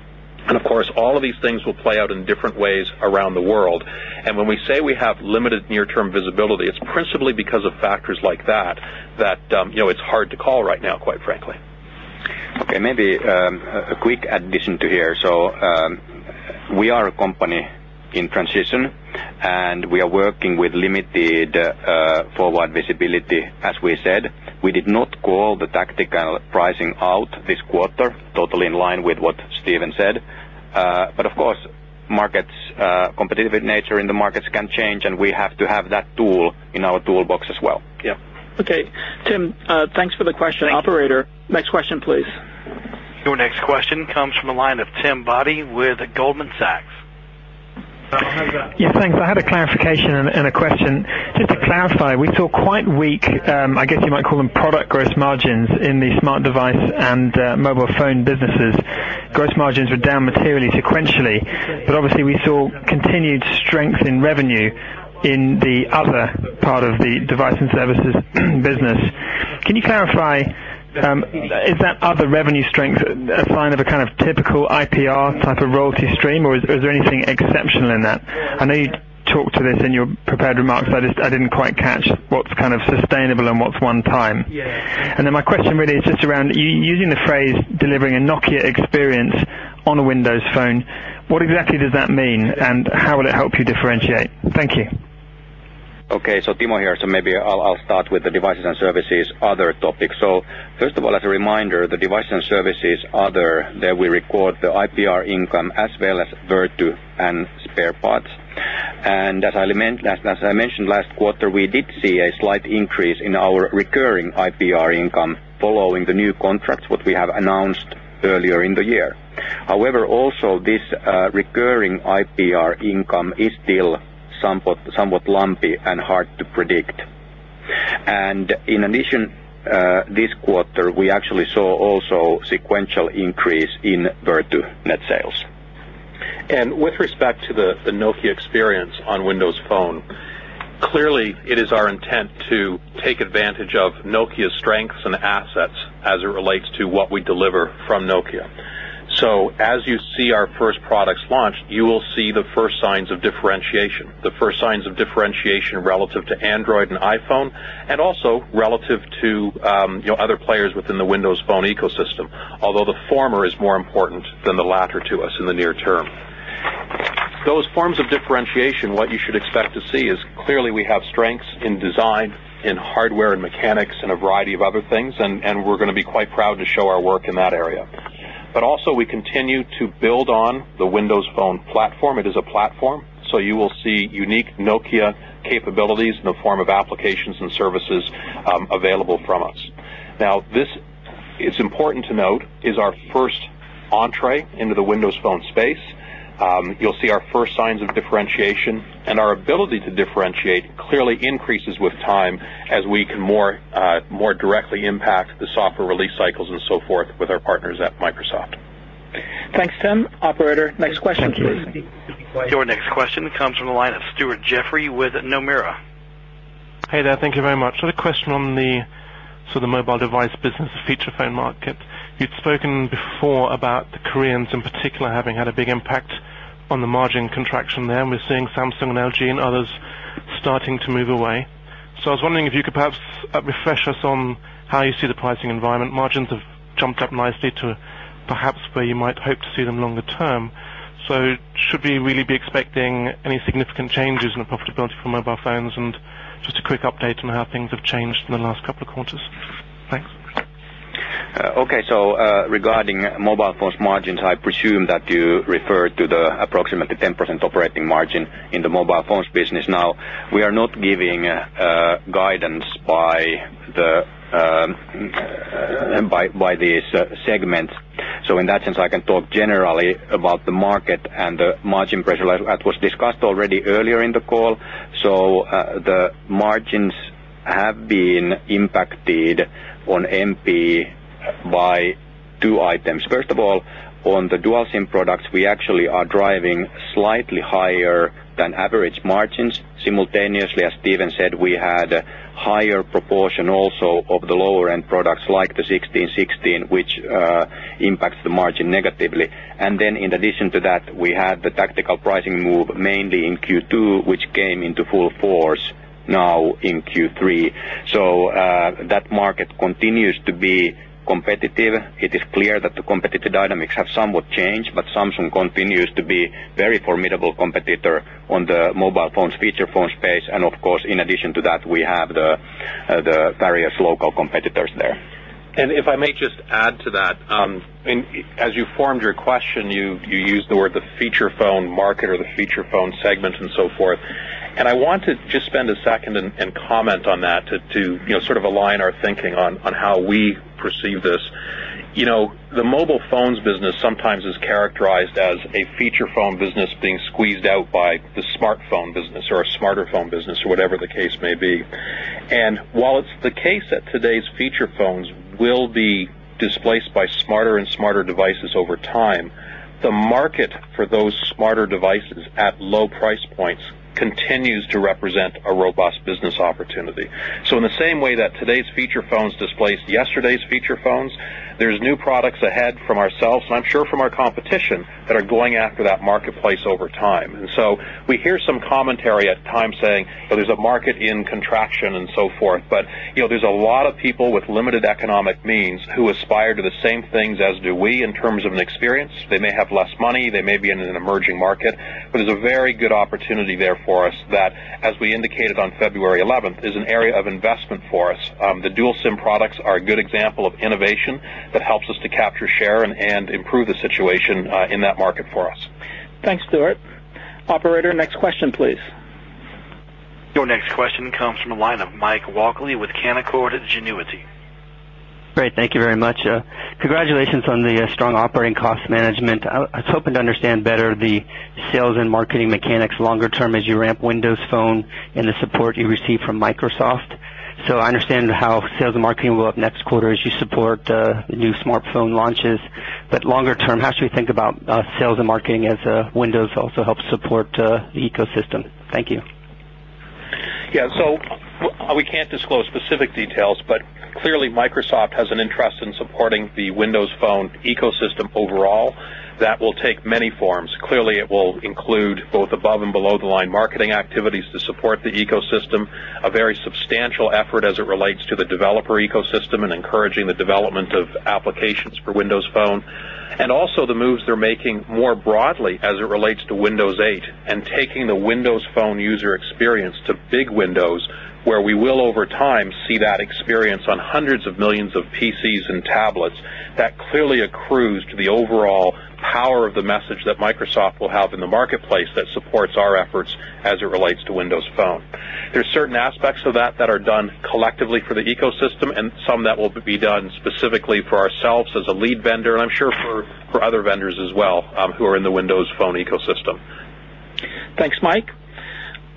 [SPEAKER 3] And of course, all of these things will play out in different ways around the world. And when we say we have limited near-term visibility, it's principally because of factors like that, that, you know, it's hard to call right now, quite frankly.
[SPEAKER 4] Okay, maybe, a quick addition to here. So, we are a company in transition, and we are working with limited, forward visibility. As we said, we did not call the tactical pricing out this quarter, totally in line with what Stephen said. But of course, markets, competitive nature in the markets can change, and we have to have that tool in our toolbox as well.
[SPEAKER 3] Yeah.
[SPEAKER 2] Okay, Tim, thanks for the question.
[SPEAKER 8] Thank you.
[SPEAKER 2] Operator, next question, please.
[SPEAKER 1] Your next question comes from the line of Tim Boddy with Goldman Sachs.
[SPEAKER 9] Yes, thanks. I had a clarification and a question. Just to clarify, we saw quite weak, I guess you might call them product gross margins in the Smart Device and Mobile Phone businesses. Gross margins were down materially, sequentially, but obviously we saw continued strength in revenue in the other part of the Devices & Services business. Can you clarify, is that other revenue strength a sign of a kind of typical IPR type of royalty stream, or is there anything exceptional in that? I know you talked to this in your prepared remarks, but I just- I didn't quite catch what's kind of sustainable and what's one time. And then my question really is just around using the phrase, delivering a Nokia experience on a Windows Phone. What exactly does that mean, and how will it help you differentiate? Thank you.
[SPEAKER 4] Okay, so Timo here. So maybe I'll, I'll start with the Devices & Services other topic. So first of all, as a reminder, the Device & Services other, there we record the IPR income as well as Vertu and spare parts. And as I mentioned last quarter, we did see a slight increase in our recurring IPR income following the new contracts that we have announced earlier in the year. However, also this recurring IPR income is still somewhat, somewhat lumpy and hard to predict. And in addition, this quarter, we actually saw also sequential increase in Vertu net sales.
[SPEAKER 3] And with respect to the Nokia experience on Windows Phone, clearly, it is our intent to take advantage of Nokia's strengths and assets as it relates to what we deliver from Nokia. So as you see our first products launch, you will see the first signs of differentiation, the first signs of differentiation relative to Android and iPhone, and also relative to, you know, other players within the Windows Phone ecosystem, although the former is more important than the latter to us in the near term. Those forms of differentiation, what you should expect to see is clearly we have strengths in design, in hardware and mechanics, and a variety of other things, and we're going to be quite proud to show our work in that area. But also we continue to build on the Windows Phone platform. It is a platform, so you will see unique Nokia capabilities in the form of applications and services, available from us. Now, this, it's important to note, is our first entrée into the Windows Phone space. You'll see our first signs of differentiation, and our ability to differentiate clearly increases with time as we can more directly impact the software release cycles and so forth with our partners at Microsoft.
[SPEAKER 2] Thanks, Tim. Operator, next question, please.
[SPEAKER 1] Your next question comes from the line of Stuart Jeffrey with Nomura.
[SPEAKER 10] Hey there. Thank you very much. So the question on the sort of mobile device business, the feature phone market. You'd spoken before about the Koreans, in particular, having had a big impact on the margin contraction there, and we're seeing Samsung and LG and others starting to move away. So I was wondering if you could perhaps refresh us on how you see the pricing environment. Margins have jumped up nicely to perhaps where you might hope to see them longer term. So should we really be expecting any significant changes in the profitability for Mobile Phones? And just a quick update on how things have changed in the last couple of quarters. Thanks.
[SPEAKER 4] Okay. So, regarding Mobile Phones margins, I presume that you refer to the approximately 10% operating margin in the Mobile Phones business. Now, we are not giving guidance by these segments. So in that sense, I can talk generally about the market and the margin pressure that was discussed already earlier in the call. So, the margins have been impacted on MP by two items. First of all, on the Dual SIM products, we actually are driving slightly higher than average margins. Simultaneously, as Stephen said, we had a higher proportion also of the lower-end products, like the 1616, which impacts the margin negatively. And then in addition to that, we had the tactical pricing move, mainly in Q2, which came into full force now in Q3. So, that market continues to be competitive. It is clear that the competitive dynamics have somewhat changed, but Samsung continues to be very formidable competitor on the Mobile Phones, feature phone space. And of course, in addition to that, we have the various local competitors there.
[SPEAKER 3] And if I may just add to that, and as you formed your question, you used the word the feature phone market or the feature phone segment and so forth. And I want to just spend a second and comment on that to, you know, sort of align our thinking on how we perceive this. You know, the Mobile Phones business sometimes is characterized as a feature phone business being squeezed out by the smartphone business or a smarter phone business, or whatever the case may be. And while it's the case that today's feature phones will be displaced by smarter and smarter devices over time, the market for those smarter devices at low price points continues to represent a robust business opportunity. So in the same way that today's feature phones displaced yesterday's feature phones, there's new products ahead from ourselves, and I'm sure from our competition, that are going after that marketplace over time. And so we hear some commentary at times saying, "Well, there's a market in contraction," and so forth. But, you know, there's a lot of people with limited economic means who aspire to the same things as do we in terms of an experience. They may have less money, they may be in an emerging market, but there's a very good opportunity there for us that, as we indicated on February 11th, is an area of investment for us. The dual SIM products are a good example of innovation that helps us to capture, share, and improve the situation in that market for us.
[SPEAKER 2] Thanks, Stuart. Operator, next question, please.
[SPEAKER 1] Your next question comes from the line of Mike Walkley with Canaccord Genuity.
[SPEAKER 11] Great, thank you very much. Congratulations on the strong operating cost management. I was hoping to understand better the sales and marketing mechanics longer term as you ramp Windows Phone and the support you receive from Microsoft. So I understand how sales and marketing will go up next quarter as you support new smartphone launches. But longer term, how should we think about sales and marketing as Windows also helps support the ecosystem? Thank you.
[SPEAKER 3] Yeah. So we can't disclose specific details, but clearly, Microsoft has an interest in supporting the Windows Phone ecosystem overall. That will take many forms. Clearly, it will include both above and below the line marketing activities to support the ecosystem, a very substantial effort as it relates to the developer ecosystem and encouraging the development of applications for Windows Phone. And also the moves they're making more broadly as it relates to Windows 8 and taking the Windows Phone user experience to big Windows, where we will, over time, see that experience on hundreds of millions of PCs and tablets. That clearly accrues to the overall power of the message that Microsoft will have in the marketplace that supports our efforts as it relates to Windows Phone. There are certain aspects of that that are done collectively for the ecosystem, and some that will be done specifically for ourselves as a lead vendor, and I'm sure for other vendors as well, who are in the Windows Phone ecosystem.
[SPEAKER 2] Thanks, Mike.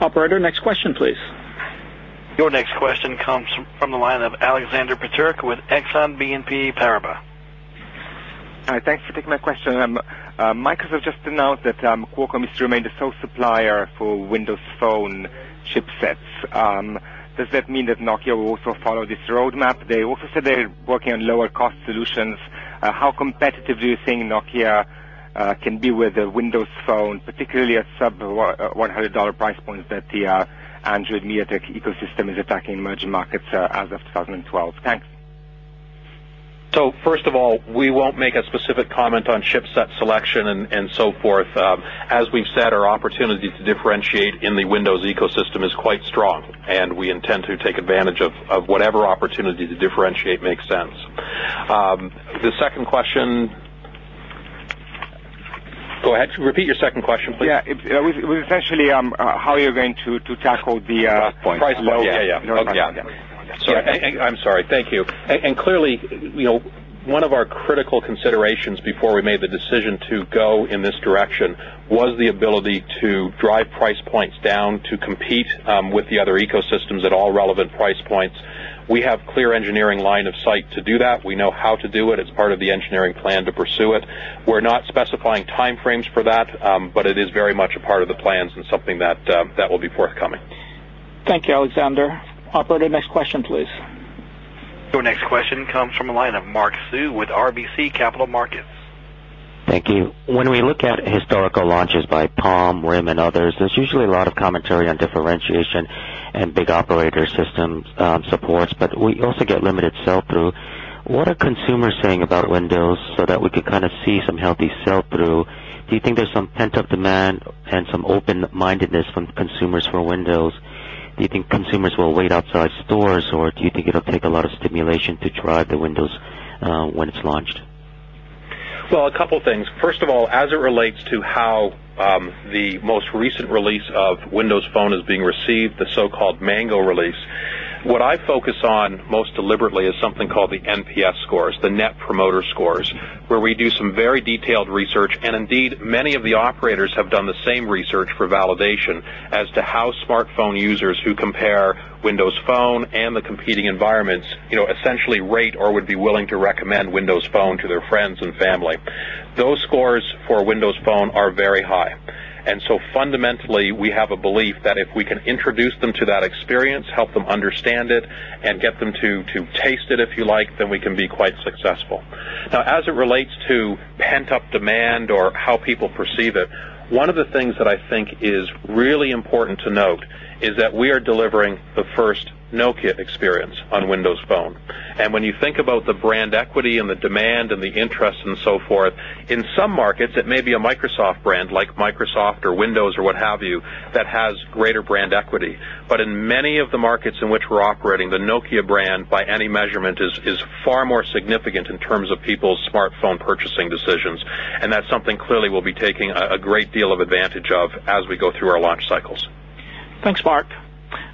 [SPEAKER 2] Operator, next question, please.
[SPEAKER 1] Your next question comes from the line of Alexander Peterc with Exane BNP Paribas.
[SPEAKER 12] Hi, thanks for taking my question. Microsoft just announced that, Qualcomm is to remain the sole supplier for Windows Phone chipsets. Does that mean that Nokia will also follow this roadmap? They also said they're working on lower-cost solutions. How competitive do you think Nokia can be with the Windows Phone, particularly at sub-$100 price points that the [Android MediaTek] ecosystem is attacking emerging markets, as of 2012? Thanks.
[SPEAKER 3] So first of all, we won't make a specific comment on chipset selection and so forth. As we've said, our opportunity to differentiate in the Windows ecosystem is quite strong, and we intend to take advantage of whatever opportunity to differentiate makes sense. The second question? Go ahead. Repeat your second question, please.
[SPEAKER 12] Yeah, it was essentially, how are you going to tackle the price point?
[SPEAKER 3] Price point. Yeah, yeah, yeah. Sorry. I'm sorry. Thank you. Clearly, you know, one of our critical considerations before we made the decision to go in this direction was the ability to drive price points down to compete with the other ecosystems at all relevant price points. We have clear engineering line of sight to do that. We know how to do it. It's part of the engineering plan to pursue it. We're not specifying time frames for that, but it is very much a part of the plans and something that will be forthcoming.
[SPEAKER 2] Thank you, Alexander. Operator, next question, please.
[SPEAKER 1] Your next question comes from the line of Mark Sue with RBC Capital Markets.
[SPEAKER 13] Thank you. When we look at historical launches by Palm, RIM, and others, there's usually a lot of commentary on differentiation and big operator system, supports, but we also get limited sell-through. What are consumers saying about Windows so that we could kind of see some healthy sell-through? Do you think there's some pent-up demand and some open-mindedness from consumers for Windows? Do you think consumers will wait outside stores, or do you think it'll take a lot of stimulation to drive the Windows, when it's launched?
[SPEAKER 3] Well, a couple things. First of all, as it relates to how the most recent release of Windows Phone is being received, the so-called Mango release, what I focus on most deliberately is something called the NPS scores, the Net Promoter Scores, where we do some very detailed research, and indeed, many of the operators have done the same research for validation as to how smartphone users who compare Windows Phone and the competing environments, you know, essentially rate or would be willing to recommend Windows Phone to their friends and family. Those scores for Windows Phone are very high. And so fundamentally, we have a belief that if we can introduce them to that experience, help them understand it, and get them to taste it, if you like, then we can be quite successful. Now, as it relates to pent-up demand or how people perceive it, one of the things that I think is really important to note is that we are delivering the first Nokia experience on Windows Phone. And when you think about the brand equity and the demand and the interest and so forth, in some markets, it may be a Microsoft brand like Microsoft or Windows or what have you, that has greater brand equity. But in many of the markets in which we're operating, the Nokia brand, by any measurement, is, is far more significant in terms of people's smartphone purchasing decisions, and that's something clearly we'll be taking a, a great deal of advantage of as we go through our launch cycles.
[SPEAKER 2] Thanks, Mark.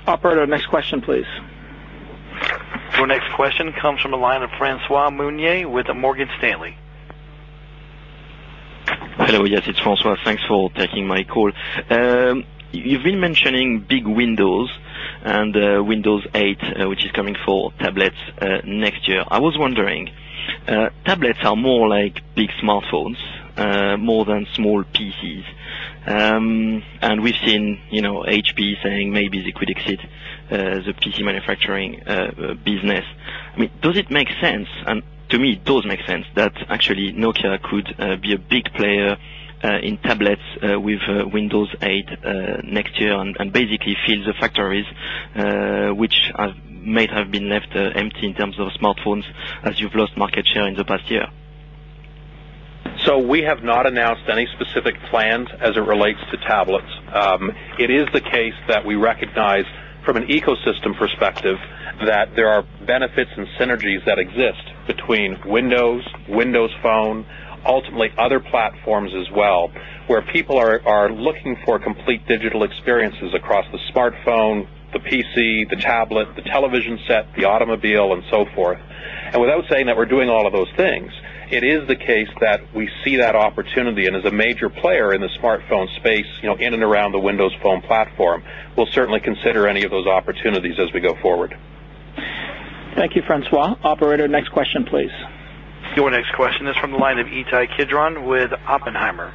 [SPEAKER 2] Operator, next question, please.
[SPEAKER 1] Your next question comes from the line of François Meunier with Morgan Stanley.
[SPEAKER 14] Hello, yes, it's François. Thanks for taking my call. You've been mentioning big Windows and, Windows 8, which is coming for tablets, next year. I was wondering, tablets are more like big smartphones, more than small PCs. And we've seen, you know, HP saying maybe they could exit, the PC manufacturing, business. I mean, does it make sense? And to me, it does make sense that actually Nokia could, be a big player, in tablets, with, Windows 8, next year and, and basically fill the factories, which are may have been left, empty in terms of smartphones as you've lost market share in the past year.
[SPEAKER 3] So we have not announced any specific plans as it relates to tablets. It is the case that we recognize from an ecosystem perspective that there are benefits and synergies that exist between Windows, Windows Phone, ultimately other platforms as well, where people are looking for complete digital experiences across the smartphone, the PC, the tablet, the television set, the automobile, and so forth. And without saying that we're doing all of those things, it is the case that we see that opportunity and as a major player in the smartphone space, you know, in and around the Windows Phone platform, we'll certainly consider any of those opportunities as we go forward.
[SPEAKER 2] Thank you, François. Operator, next question, please.
[SPEAKER 1] Your next question is from the line of Ittai Kidron with Oppenheimer.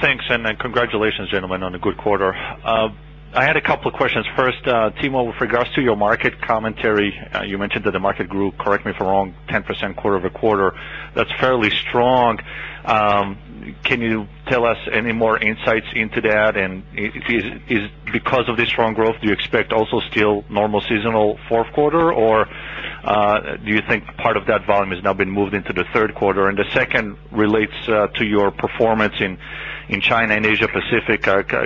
[SPEAKER 15] Thanks, and, and congratulations, gentlemen, on a good quarter. I had a couple of questions. First, Timo, with regards to your market commentary, you mentioned that the market grew, correct me if I'm wrong, 10% quarter-over-quarter. That's fairly strong. Can you tell us any more insights into that? And is, is because of this strong growth, do you expect also still normal seasonal fourth quarter, or, do you think part of that volume has now been moved into the third quarter? And the second relates, to your performance in, in China and Asia Pacific.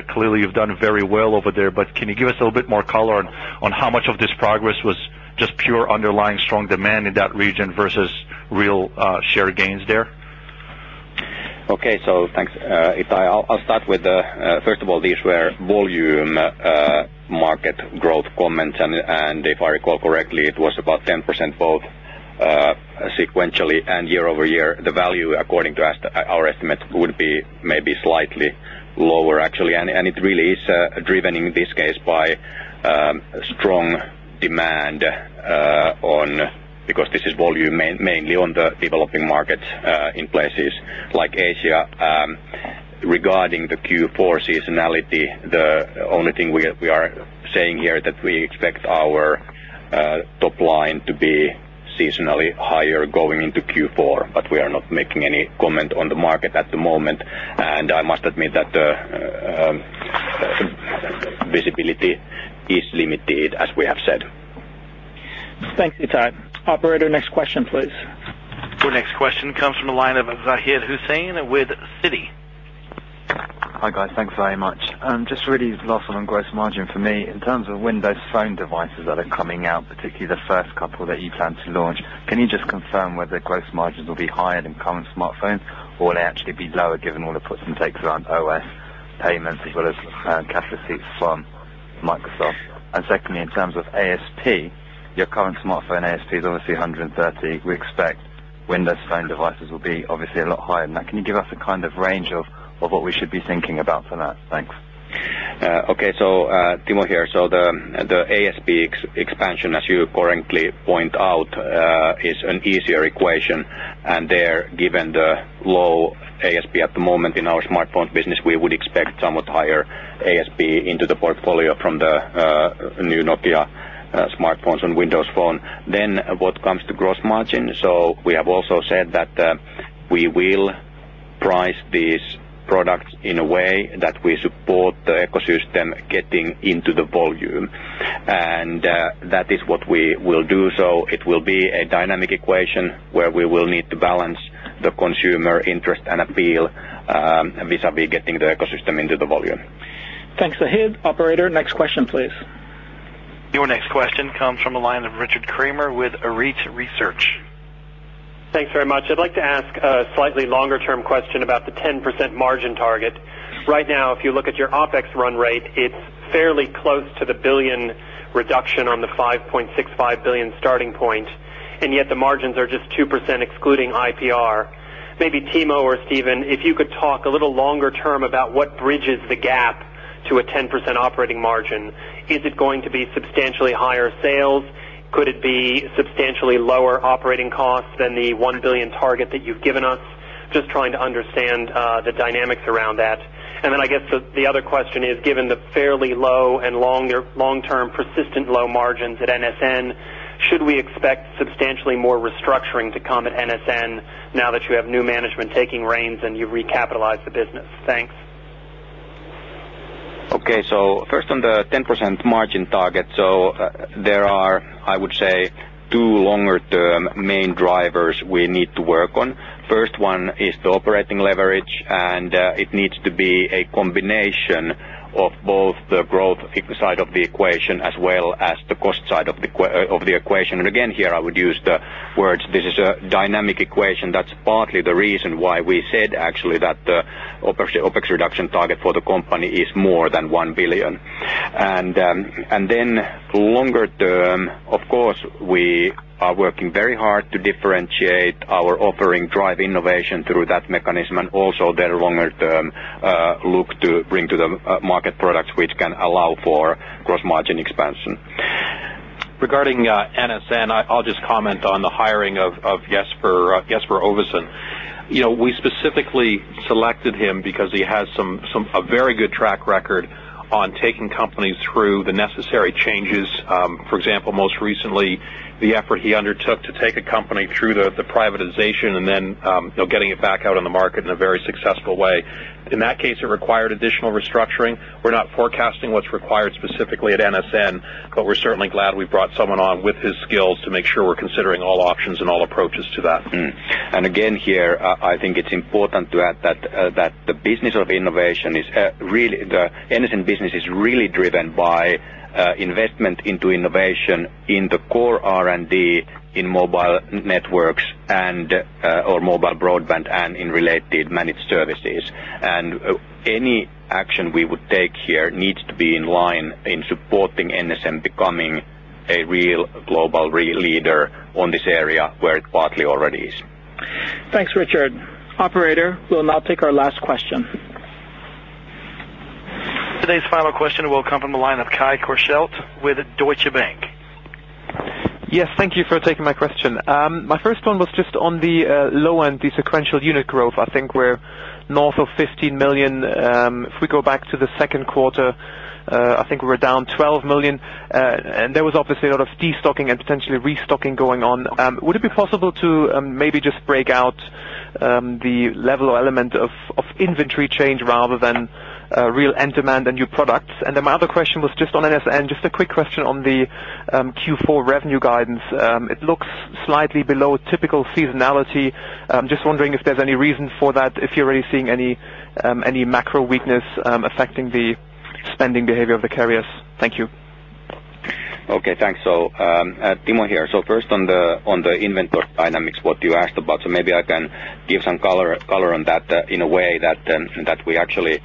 [SPEAKER 15] Clearly, you've done very well over there, but can you give us a little bit more color on, on how much of this progress was just pure underlying strong demand in that region versus real, share gains there?
[SPEAKER 4] Okay. So thanks, Ittai. I'll start with the first of all, these were volume market growth comments, and if I recall correctly, it was about 10% both sequentially and year over year. The value, according to our estimates, would be maybe slightly lower, actually. And it really is driven in this case by strong demand because this is volume mainly on the developing markets in places like Asia. Regarding the Q4 seasonality, the only thing we are saying here that we expect our top line to be seasonally higher going into Q4, but we are not making any comment on the market at the moment. And I must admit that visibility is limited, as we have said.
[SPEAKER 2] Thanks, Ittai. Operator, next question, please.
[SPEAKER 1] Your next question comes from the line of Zahid Hussein with Citi.
[SPEAKER 16] Hi, guys. Thanks very much. Just really last one on gross margin for me. In terms of Windows Phone devices that are coming out, particularly the first couple that you plan to launch, can you just confirm whether gross margins will be higher than current smartphone, or will they actually be lower given all the puts and takes around OS payments as well as cash receipts from Microsoft? And secondly, in terms of ASP, your current smartphone ASP is obviously 130. We expect Windows Phone devices will be obviously a lot higher than that. Can you give us a kind of range of what we should be thinking about for that? Thanks.
[SPEAKER 4] Okay. So, Timo here. So the ASP expansion, as you correctly point out, is an easier equation. And there, given the low ASP at the moment in our smartphone business, we would expect somewhat higher ASP into the portfolio from the new Nokia smartphones and Windows Phone. Then what comes to gross margin? So we have also said that we will price these products in a way that we support the ecosystem getting into the volume, and that is what we will do. So it will be a dynamic equation where we will need to balance the consumer interest and appeal vis-à-vis getting the ecosystem into the volume.
[SPEAKER 2] Thanks, Zahid. Operator, next question, please.
[SPEAKER 1] Your next question comes from the line of Richard Kramer with Arete Research.
[SPEAKER 17] Thanks very much. I'd like to ask a slightly longer-term question about the 10% margin target. Right now, if you look at your OpEx run rate, it's fairly close to the 1 billion reduction on the 5.65 billion starting point, and yet the margins are just 2%, excluding IPR. Maybe Timo or Stephen, if you could talk a little longer term about what bridges the gap to a 10% operating margin. Is it going to be substantially higher sales? Could it be substantially lower operating costs than the 1 billion target that you've given us? Just trying to understand the dynamics around that. Then I guess the other question is, given the fairly low and long-term, persistent low margins at NSN, should we expect substantially more restructuring to come at NSN now that you have new management taking reins and you've recapitalized the business? Thanks.
[SPEAKER 4] Okay, so first on the 10% margin target. So there are, I would say, two longer-term main drivers we need to work on. First one is the operating leverage, and it needs to be a combination of both the growth side of the equation, as well as the cost side of the equation. And again, here, I would use the words this is a dynamic equation. That's partly the reason why we said actually that the OpEx, OpEx reduction target for the company is more than 1 billion. And then longer term, of course, we are working very hard to differentiate our offering, drive innovation through that mechanism, and also the longer term, look to bring to the market products which can allow for gross margin expansion.
[SPEAKER 3] Regarding NSN, I'll just comment on the hiring of Jesper Ovesen. You know, we specifically selected him because he has a very good track record on taking companies through the necessary changes. For example, most recently, the effort he undertook to take a company through the privatization and then, you know, getting it back out on the market in a very successful way. In that case, it required additional restructuring. We're not forecasting what's required specifically at NSN, but we're certainly glad we brought someone on with his skills to make sure we're considering all options and all approaches to that.
[SPEAKER 4] And again, here, I think it's important to add that that the business of innovation is really the NSN business is really driven by investment into innovation in the core R&D, in mobile networks and or mobile broadband and in related managed services. And any action we would take here needs to be in line in supporting NSN, becoming a real global leader in this area, where it partly already is.
[SPEAKER 2] Thanks, Richard. Operator, we'll now take our last question.
[SPEAKER 1] Today's final question will come from the line of Kai Korschelt with Deutsche Bank.
[SPEAKER 18] Yes, thank you for taking my question. My first one was just on the low end, the sequential unit growth. I think we're north of 15 million. If we go back to the second quarter, I think we're down 12 million, and there was obviously a lot of destocking and potentially restocking going on. Would it be possible to maybe just break out the level or element of inventory change rather than real end demand and new products? And then my other question was just on NSN. Just a quick question on the Q4 revenue guidance. It looks slightly below typical seasonality. I'm just wondering if there's any reason for that, if you're already seeing any macro weakness affecting the spending behavior of the carriers. Thank you.
[SPEAKER 4] Okay, thanks. So, Timo here. So first on the inventory dynamics, what you asked about, so maybe I can give some color on that, in a way that we actually in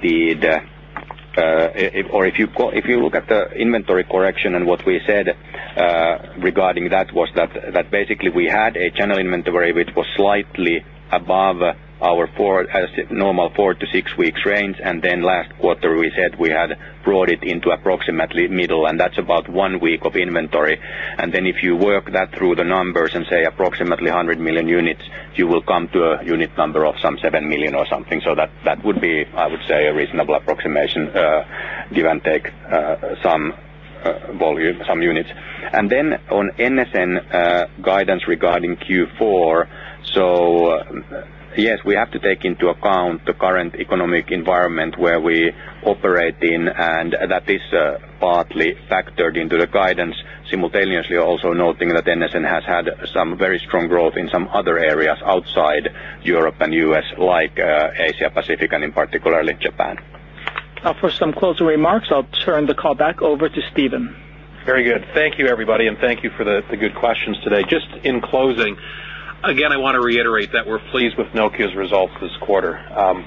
[SPEAKER 4] the... Or if you look at the inventory correction and what we said regarding that, was that basically we had a general inventory, which was slightly above our four to six weeks range, as normal. And then last quarter, we said we had brought it into approximately middle, and that's about one week of inventory. And then if you work that through the numbers and say approximately 100 million units, you will come to a unit number of some 7 million or something. So that, that would be, I would say, a reasonable approximation, give and take, some volume, some units. And then on NSN, guidance regarding Q4, so yes, we have to take into account the current economic environment where we operate in, and that is, partly factored into the guidance. Simultaneously, also noting that NSN has had some very strong growth in some other areas outside Europe and U.S., like, Asia-Pacific, and in particular Japan.
[SPEAKER 2] Now, for some closing remarks, I'll turn the call back over to Stephen.
[SPEAKER 3] Very good. Thank you, everybody, and thank you for the good questions today. Just in closing, again, I want to reiterate that we're pleased with Nokia's results this quarter.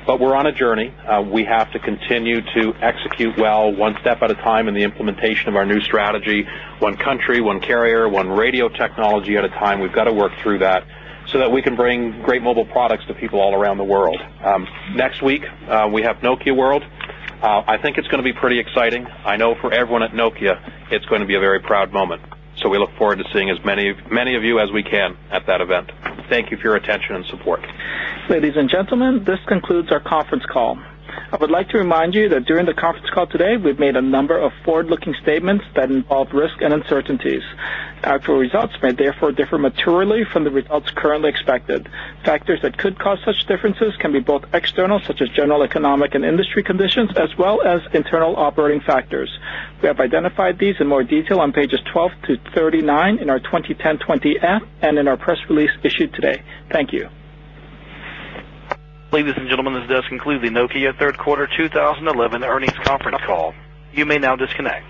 [SPEAKER 3] But we're on a journey. We have to continue to execute well, one step at a time in the implementation of our new strategy. One country, one carrier, one radio technology at a time. We've got to work through that so that we can bring great mobile products to people all around the world. Next week, we have Nokia World. I think it's gonna be pretty exciting. I know for everyone at Nokia, it's going to be a very proud moment. So we look forward to seeing as many, many of you as we can at that event. Thank you for your attention and support.
[SPEAKER 2] Ladies and gentlemen, this concludes our conference call. I would like to remind you that during the conference call today, we've made a number of forward-looking statements that involve risks and uncertainties. Actual results may therefore differ materially from the results currently expected. Factors that could cause such differences can be both external, such as general economic and industry conditions, as well as internal operating factors. We have identified these in more detail on pages 12-39 in our 2010 20-F, and in our press release issued today. Thank you.
[SPEAKER 1] Ladies and gentlemen, this does conclude the Nokia third quarter 2011 earnings conference call. You may now disconnect.